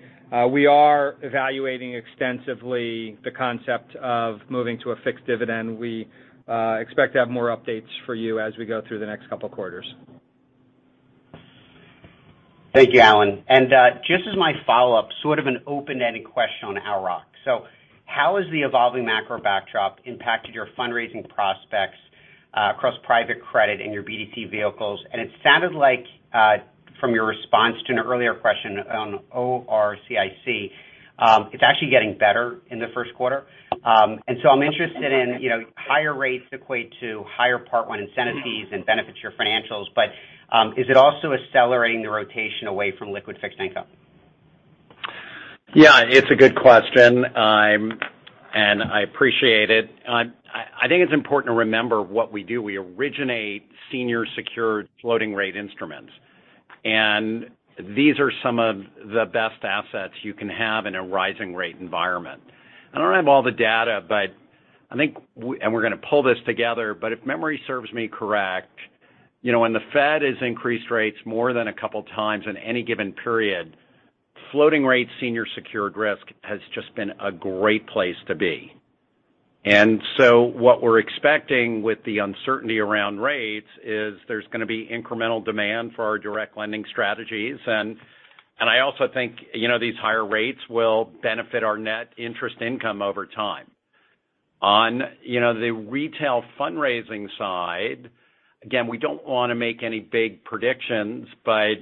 We are evaluating extensively the concept of moving to a fixed dividend. We expect to have more updates for you as we go through the next couple quarters. Thank you, Alan. Just as my follow-up, sort of an open-ended question on Owl Rock. How has the evolving macro backdrop impacted your fundraising prospects across private credit in your BDC vehicles? It sounded like from your response to an earlier question on ORCIC, it's actually getting better in the first quarter. I'm interested in, you know, higher rates equate to higher Part One incentives and benefits to your financials. Is it also accelerating the rotation away from liquid fixed income? Yeah, it's a good question. I appreciate it. I think it's important to remember what we do. We originate senior secured floating rate instruments. These are some of the best assets you can have in a rising rate environment. I don't have all the data, but I think we're gonna pull this together, but if memory serves me correct, you know, when the Fed has increased rates more than a couple times in any given period, floating rate senior secured loans have just been a great place to be. What we're expecting with the uncertainty around rates is there's gonna be incremental demand for our direct lending strategies. I also think, you know, these higher rates will benefit our net interest income over time. On the retail fundraising side, you know, again, we don't wanna make any big predictions, but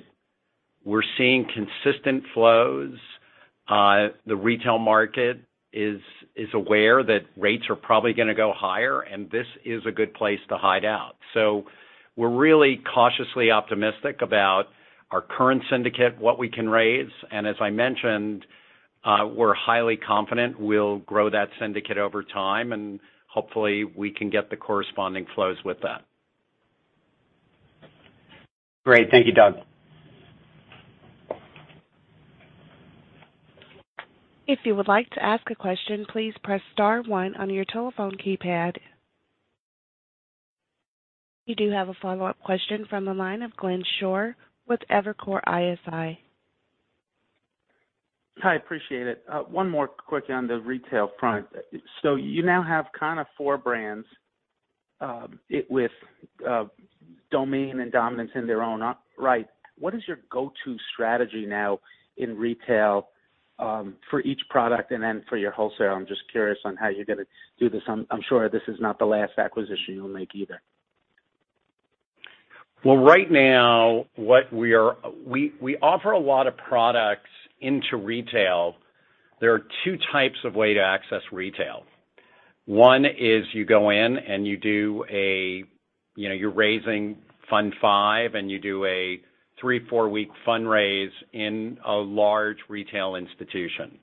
we're seeing consistent flows. The retail market is aware that rates are probably gonna go higher, and this is a good place to hide out. We're really cautiously optimistic about our current syndicate, what we can raise. As I mentioned, we're highly confident we'll grow that syndicate over time, and hopefully we can get the corresponding flows with that. Great. Thank you, Doug. You do have a follow-up question from the line of Glenn Schorr with Evercore ISI. Hi, appreciate it. One more quickly on the retail front. You now have kind of four brands, with domain and dominance in their own right. What is your go-to strategy now in retail, for each product and then for your wholesale? I'm just curious on how you're gonna do this. I'm sure this is not the last acquisition you'll make either. Right now what we are, we offer a lot of products into retail. There are two types of way to access retail. One is you go in and you do a, you know, you're raising fund V, and you do athree, four-week fundraise in a large retail institution.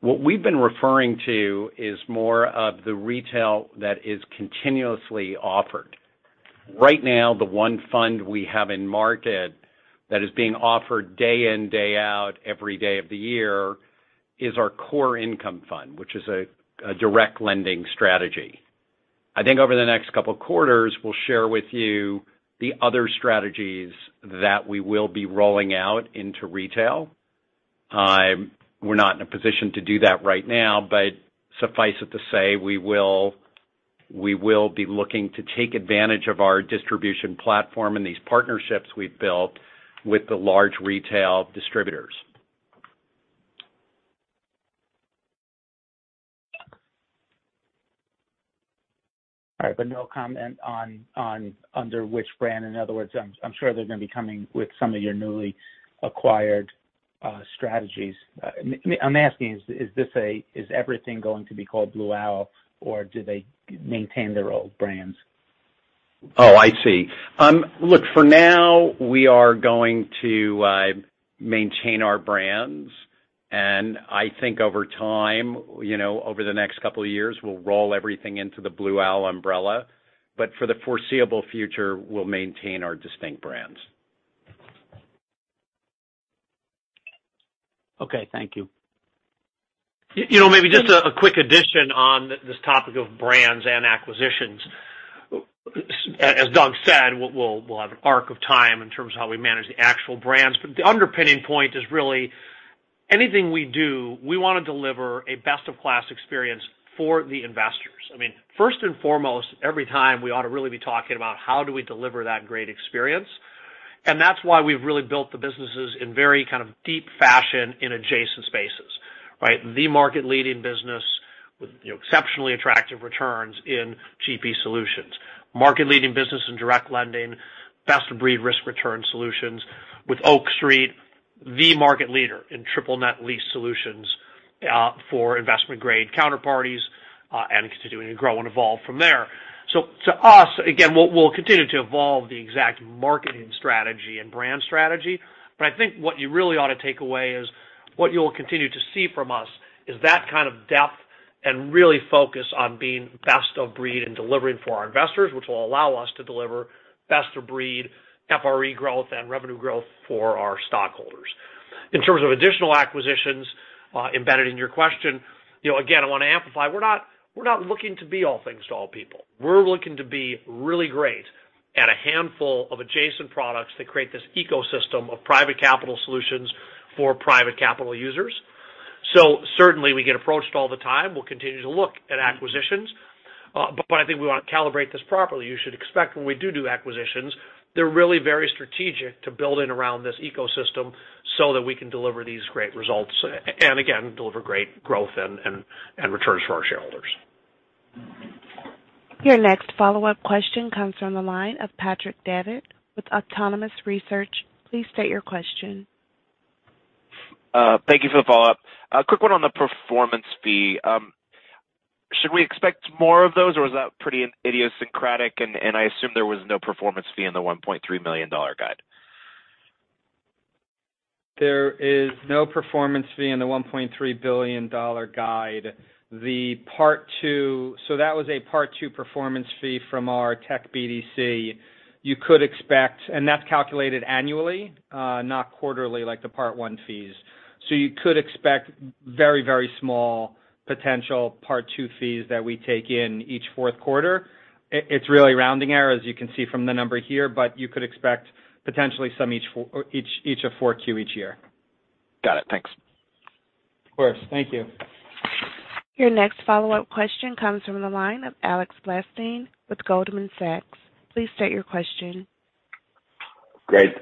What we've been referring to is more of the retail that is continuously offered. Right now, the one fund we have in market that is being offered day in, day out, every day of the year is our Core Income Fund, which is a direct lending strategy. I think over the next couple quarters, we'll share with you the other strategies that we will be rolling out into retail. We're not in a position to do that right now, but suffice it to say, we will be looking to take advantage of our distribution platform and these partnerships we've built with the large retail distributors. All right. No comment on under which brand. In other words, I'm sure they're gonna be coming with some of your newly acquired strategies. I'm asking, is everything going to be called Blue Owl, or do they maintain their old brands? Oh, I see. Look, for now, we are going to maintain our brands. I think over time, you know, over the next couple of years, we'll roll everything into the Blue Owl umbrella. For the foreseeable future, we'll maintain our distinct brands. Okay. Thank you. You know, maybe just a quick addition on this topic of brands and acquisitions. As Doug said, we'll have an arc of time in terms of how we manage the actual brands. The underpinning point is really anything we do, we wanna deliver a best-in-class experience for the investors. I mean, first and foremost, every time we ought to really be talking about how do we deliver that great experience. That's why we've really built the businesses in very kind of deep fashion in adjacent spaces, right? The market-leading business with you know, exceptionally attractive returns in GP Solutions. Market-leading business in direct lending, best-of-breed risk return solutions with Oak Street. The market leader in triple net lease solutions for investment grade counterparties and continuing to grow and evolve from there. To us, again, we'll continue to evolve the exact marketing strategy and brand strategy. I think what you really ought to take away is what you'll continue to see from us is that kind of depth and really focus on being best of breed and delivering for our investors, which will allow us to deliver best of breed FRE growth and revenue growth for our stockholders. In terms of additional acquisitions, embedded in your question, you know, again, I wanna amplify, we're not looking to be all things to all people. We're looking to be really great at a handful of adjacent products that create this ecosystem of private capital solutions for private capital users. Certainly, we get approached all the time. We'll continue to look at acquisitions, but I think we wanna calibrate this properly. You should expect when we do acquisitions, they're really very strategic to building around this ecosystem so that we can deliver these great results and again, deliver great growth and returns for our shareholders. Your next follow-up question comes from the line of Patrick Davitt with Autonomous Research. Please state your question. Thank you for the follow-up. A quick one on the performance fee. Should we expect more of those, or was that pretty idiosyncratic? I assume there was no performance fee in the $1.3 million guide. There is no performance fee in the $1.3 billion guide. That was a Part II performance fee from our tech BDC. You could expect. That's calculated annually, not quarterly like the Part I fees. You could expect very, very small potential Part II fees that we take in each fourth quarter. It's really rounding errors you can see from the number here, but you could expect potentially some each Q4 each year. Got it. Thanks. Of course. Thank you. Your next follow-up question comes from the line of Alex Blostein with Goldman Sachs. Please state your question. Great.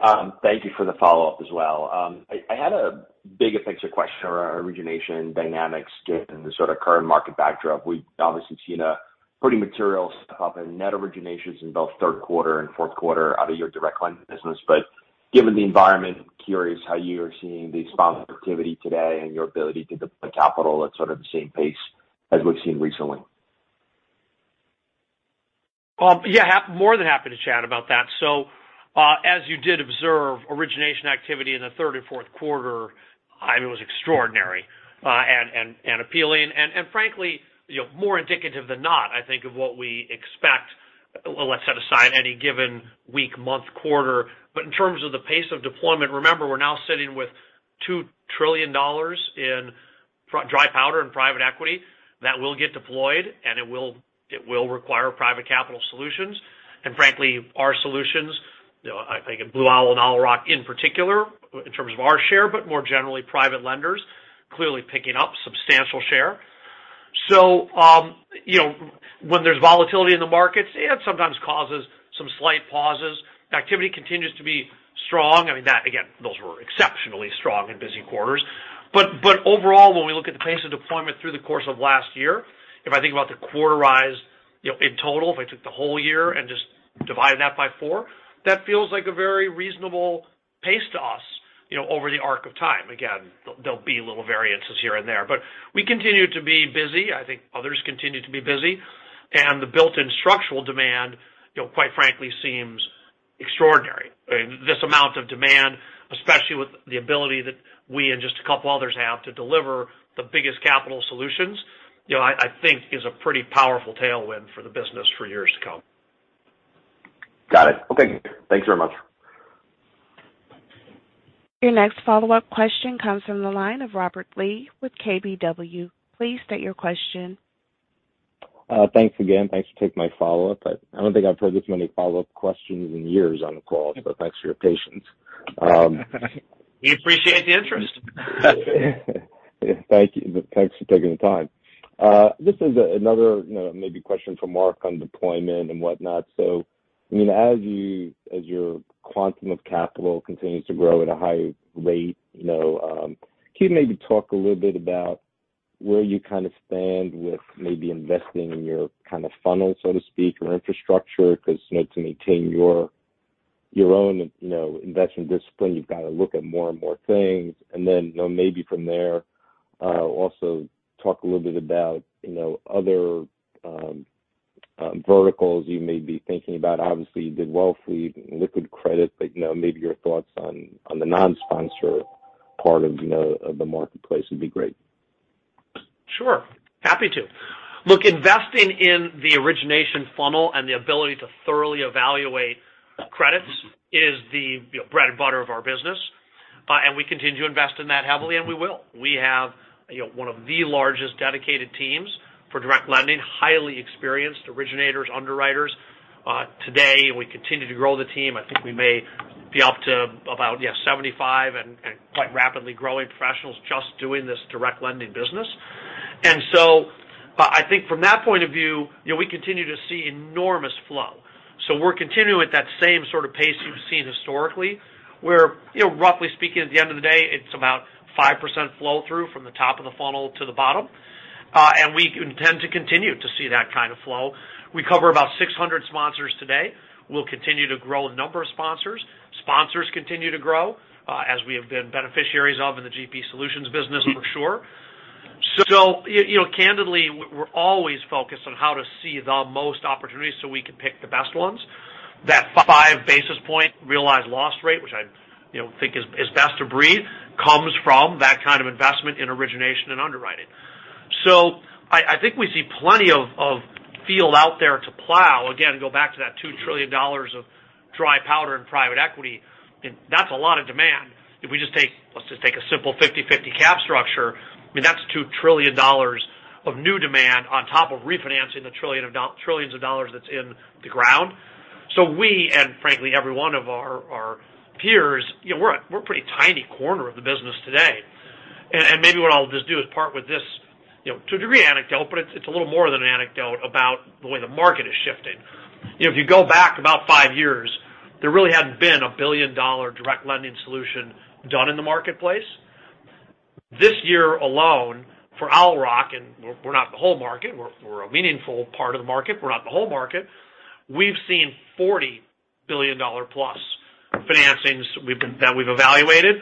Thank you for the follow-up as well. I had a bigger picture question around origination dynamics given the sort of current market backdrop. We've obviously seen a pretty material step up in net originations in both third quarter and fourth quarter out of your direct lending business. Given the environment, curious how you are seeing the sponsor activity today and your ability to deploy capital at sort of the same pace as we've seen recently? Yeah. More than happy to chat about that. As you did observe origination activity in the third and fourth quarter, I mean, it was extraordinary, and appealing and frankly, you know, more indicative than not, I think of what we expect. Let's set aside any given week, month, quarter. In terms of the pace of deployment, remember we're now sitting with $2 trillion in dry powder and private equity that will get deployed and it will require private capital solutions. Frankly, our solutions, you know, I think in Blue Owl and Owl Rock in particular in terms of our share, but more generally private lenders clearly picking up substantial share. You know, when there's volatility in the markets, it sometimes causes some slight pauses. Activity continues to be strong. I mean that again, those were exceptionally strong and busy quarters. Overall, when we look at the pace of deployment through the course of last year, if I think about the quarter rise, you know, in total, if I took the whole year and just divided that by four, that feels like a very reasonable pace to us, you know, over the arc of time. Again, there'll be little variances here and there, but we continue to be busy. I think others continue to be busy. The built-in structural demand, you know, quite frankly seems extraordinary. This amount of demand, especially with the ability that we and just a couple others have to deliver the biggest capital solutions, you know, I think is a pretty powerful tailwind for the business for years to come. Got it. Okay. Thanks very much. Your next follow-up question comes from the line of Robert Lee with KBW. Please state your question. Thanks again. Thanks for taking my follow-up. I don't think I've heard this many follow-up questions in years on a call, so thanks for your patience. We appreciate the interest. Thank you. Thanks for taking the time. This is another, you know, maybe question for Marc on deployment and whatnot. I mean, as your quantum of capital continues to grow at a high rate, you know, can you maybe talk a little bit about where you kind of stand with maybe investing in your kind of funnel, so to speak, or infrastructure 'cause, you know, to maintain your own, you know, investment discipline, you've got to look at more and more things. You know, maybe from there, also talk a little bit about, you know, other verticals you may be thinking about. Obviously, you did well for liquid credit, but you know, maybe your thoughts on the non-sponsor part of, you know, of the marketplace would be great. Sure. Happy to. Look, investing in the origination funnel and the ability to thoroughly evaluate credits is the, you know, bread and butter of our business. We continue to invest in that heavily, and we will. We have, you know, one of the largest dedicated teams for direct lending, highly experienced originators, underwriters. Today we continue to grow the team. I think we may be up to about 75 and quite rapidly growing professionals just doing this direct lending business. I think from that point of view, you know, we continue to see enormous flow. We're continuing with that same sort of pace you've seen historically, where, you know, roughly speaking at the end of the day it's about 5% flow through from the top of the funnel to the bottom. We intend to continue to see that kind of flow. We cover about 600 sponsors today. We'll continue to grow a number of sponsors. Sponsors continue to grow, as we have been beneficiaries of in the GP Solutions business for sure. You know, candidly, we're always focused on how to see the most opportunities so we can pick the best ones. That 5 basis point realized loss rate, which I, you know, think is best-in-breed, comes from that kind of investment in origination and underwriting. I think we see plenty of field out there to plow. Again, go back to that $2 trillion of dry powder and private equity. That's a lot of demand. If we just take, let's just take a simple 50/50 cap structure, I mean, that's $2 trillion of new demand on top of refinancing the trillions of dollars that's in the ground. We, and frankly, every one of our peers, you know, we're a pretty tiny corner of the business today. Maybe what I'll just do is start with this, you know, to a degree anecdote, but it's a little more than an anecdote about the way the market is shifting. You know, if you go back about five years, there really hadn't been a billion-dollar direct lending solution done in the marketplace. This year alone, for Owl Rock, and we're not the whole market. We're a meaningful part of the market. We're not the whole market. We've seen $40 billion+ financings that we've evaluated,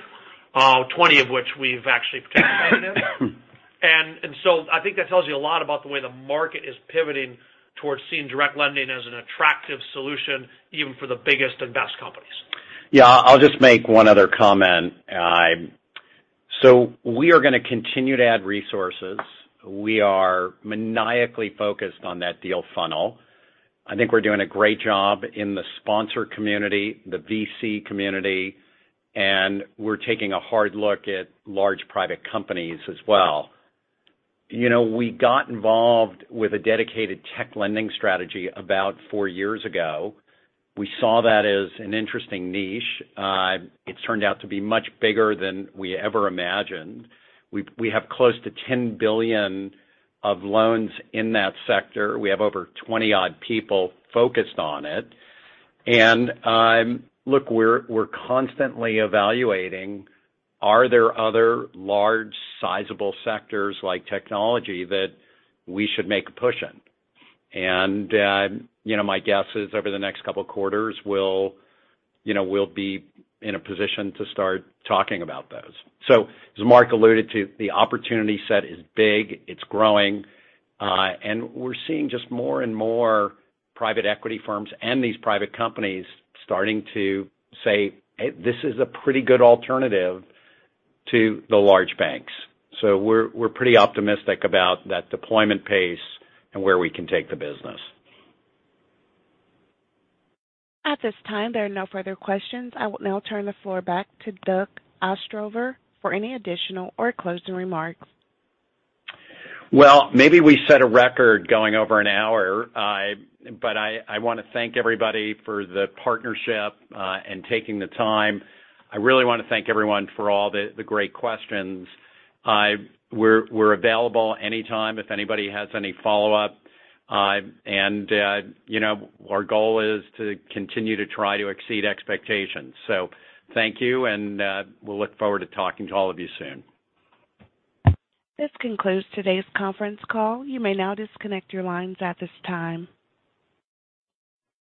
20 of which we've actually participated in. I think that tells you a lot about the way the market is pivoting towards seeing direct lending as an attractive solution, even for the biggest and best companies. Yeah. I'll just make one other comment. We are gonna continue to add resources. We are maniacally focused on that deal funnel. I think we're doing a great job in the sponsor community, the VC community, and we're taking a hard look at large private companies as well. You know, we got involved with a dedicated tech lending strategy about four years ago. We saw that as an interesting niche. It's turned out to be much bigger than we ever imagined. We have close to $10 billion of loans in that sector. We have over 20-odd people focused on it. Look, we're constantly evaluating, are there other large sizable sectors like technology that we should make a push in? You know, my guess is over the next couple of quarters, we'll, you know, be in a position to start talking about those. As Marc alluded to, the opportunity set is big, it's growing, and we're seeing just more and more private equity firms and these private companies starting to say, "This is a pretty good alternative to the large banks." We're pretty optimistic about that deployment pace and where we can take the business. At this time, there are no further questions. I will now turn the floor back to Doug Ostrover for any additional or closing remarks. Well, maybe we set a record going over an hour. I wanna thank everybody for the partnership and taking the time. I really wanna thank everyone for all the great questions. We're available anytime if anybody has any follow-up. You know, our goal is to continue to try to exceed expectations. Thank you, and we'll look forward to talking to all of you soon. This concludes today's conference call. You may now disconnect your lines at this time.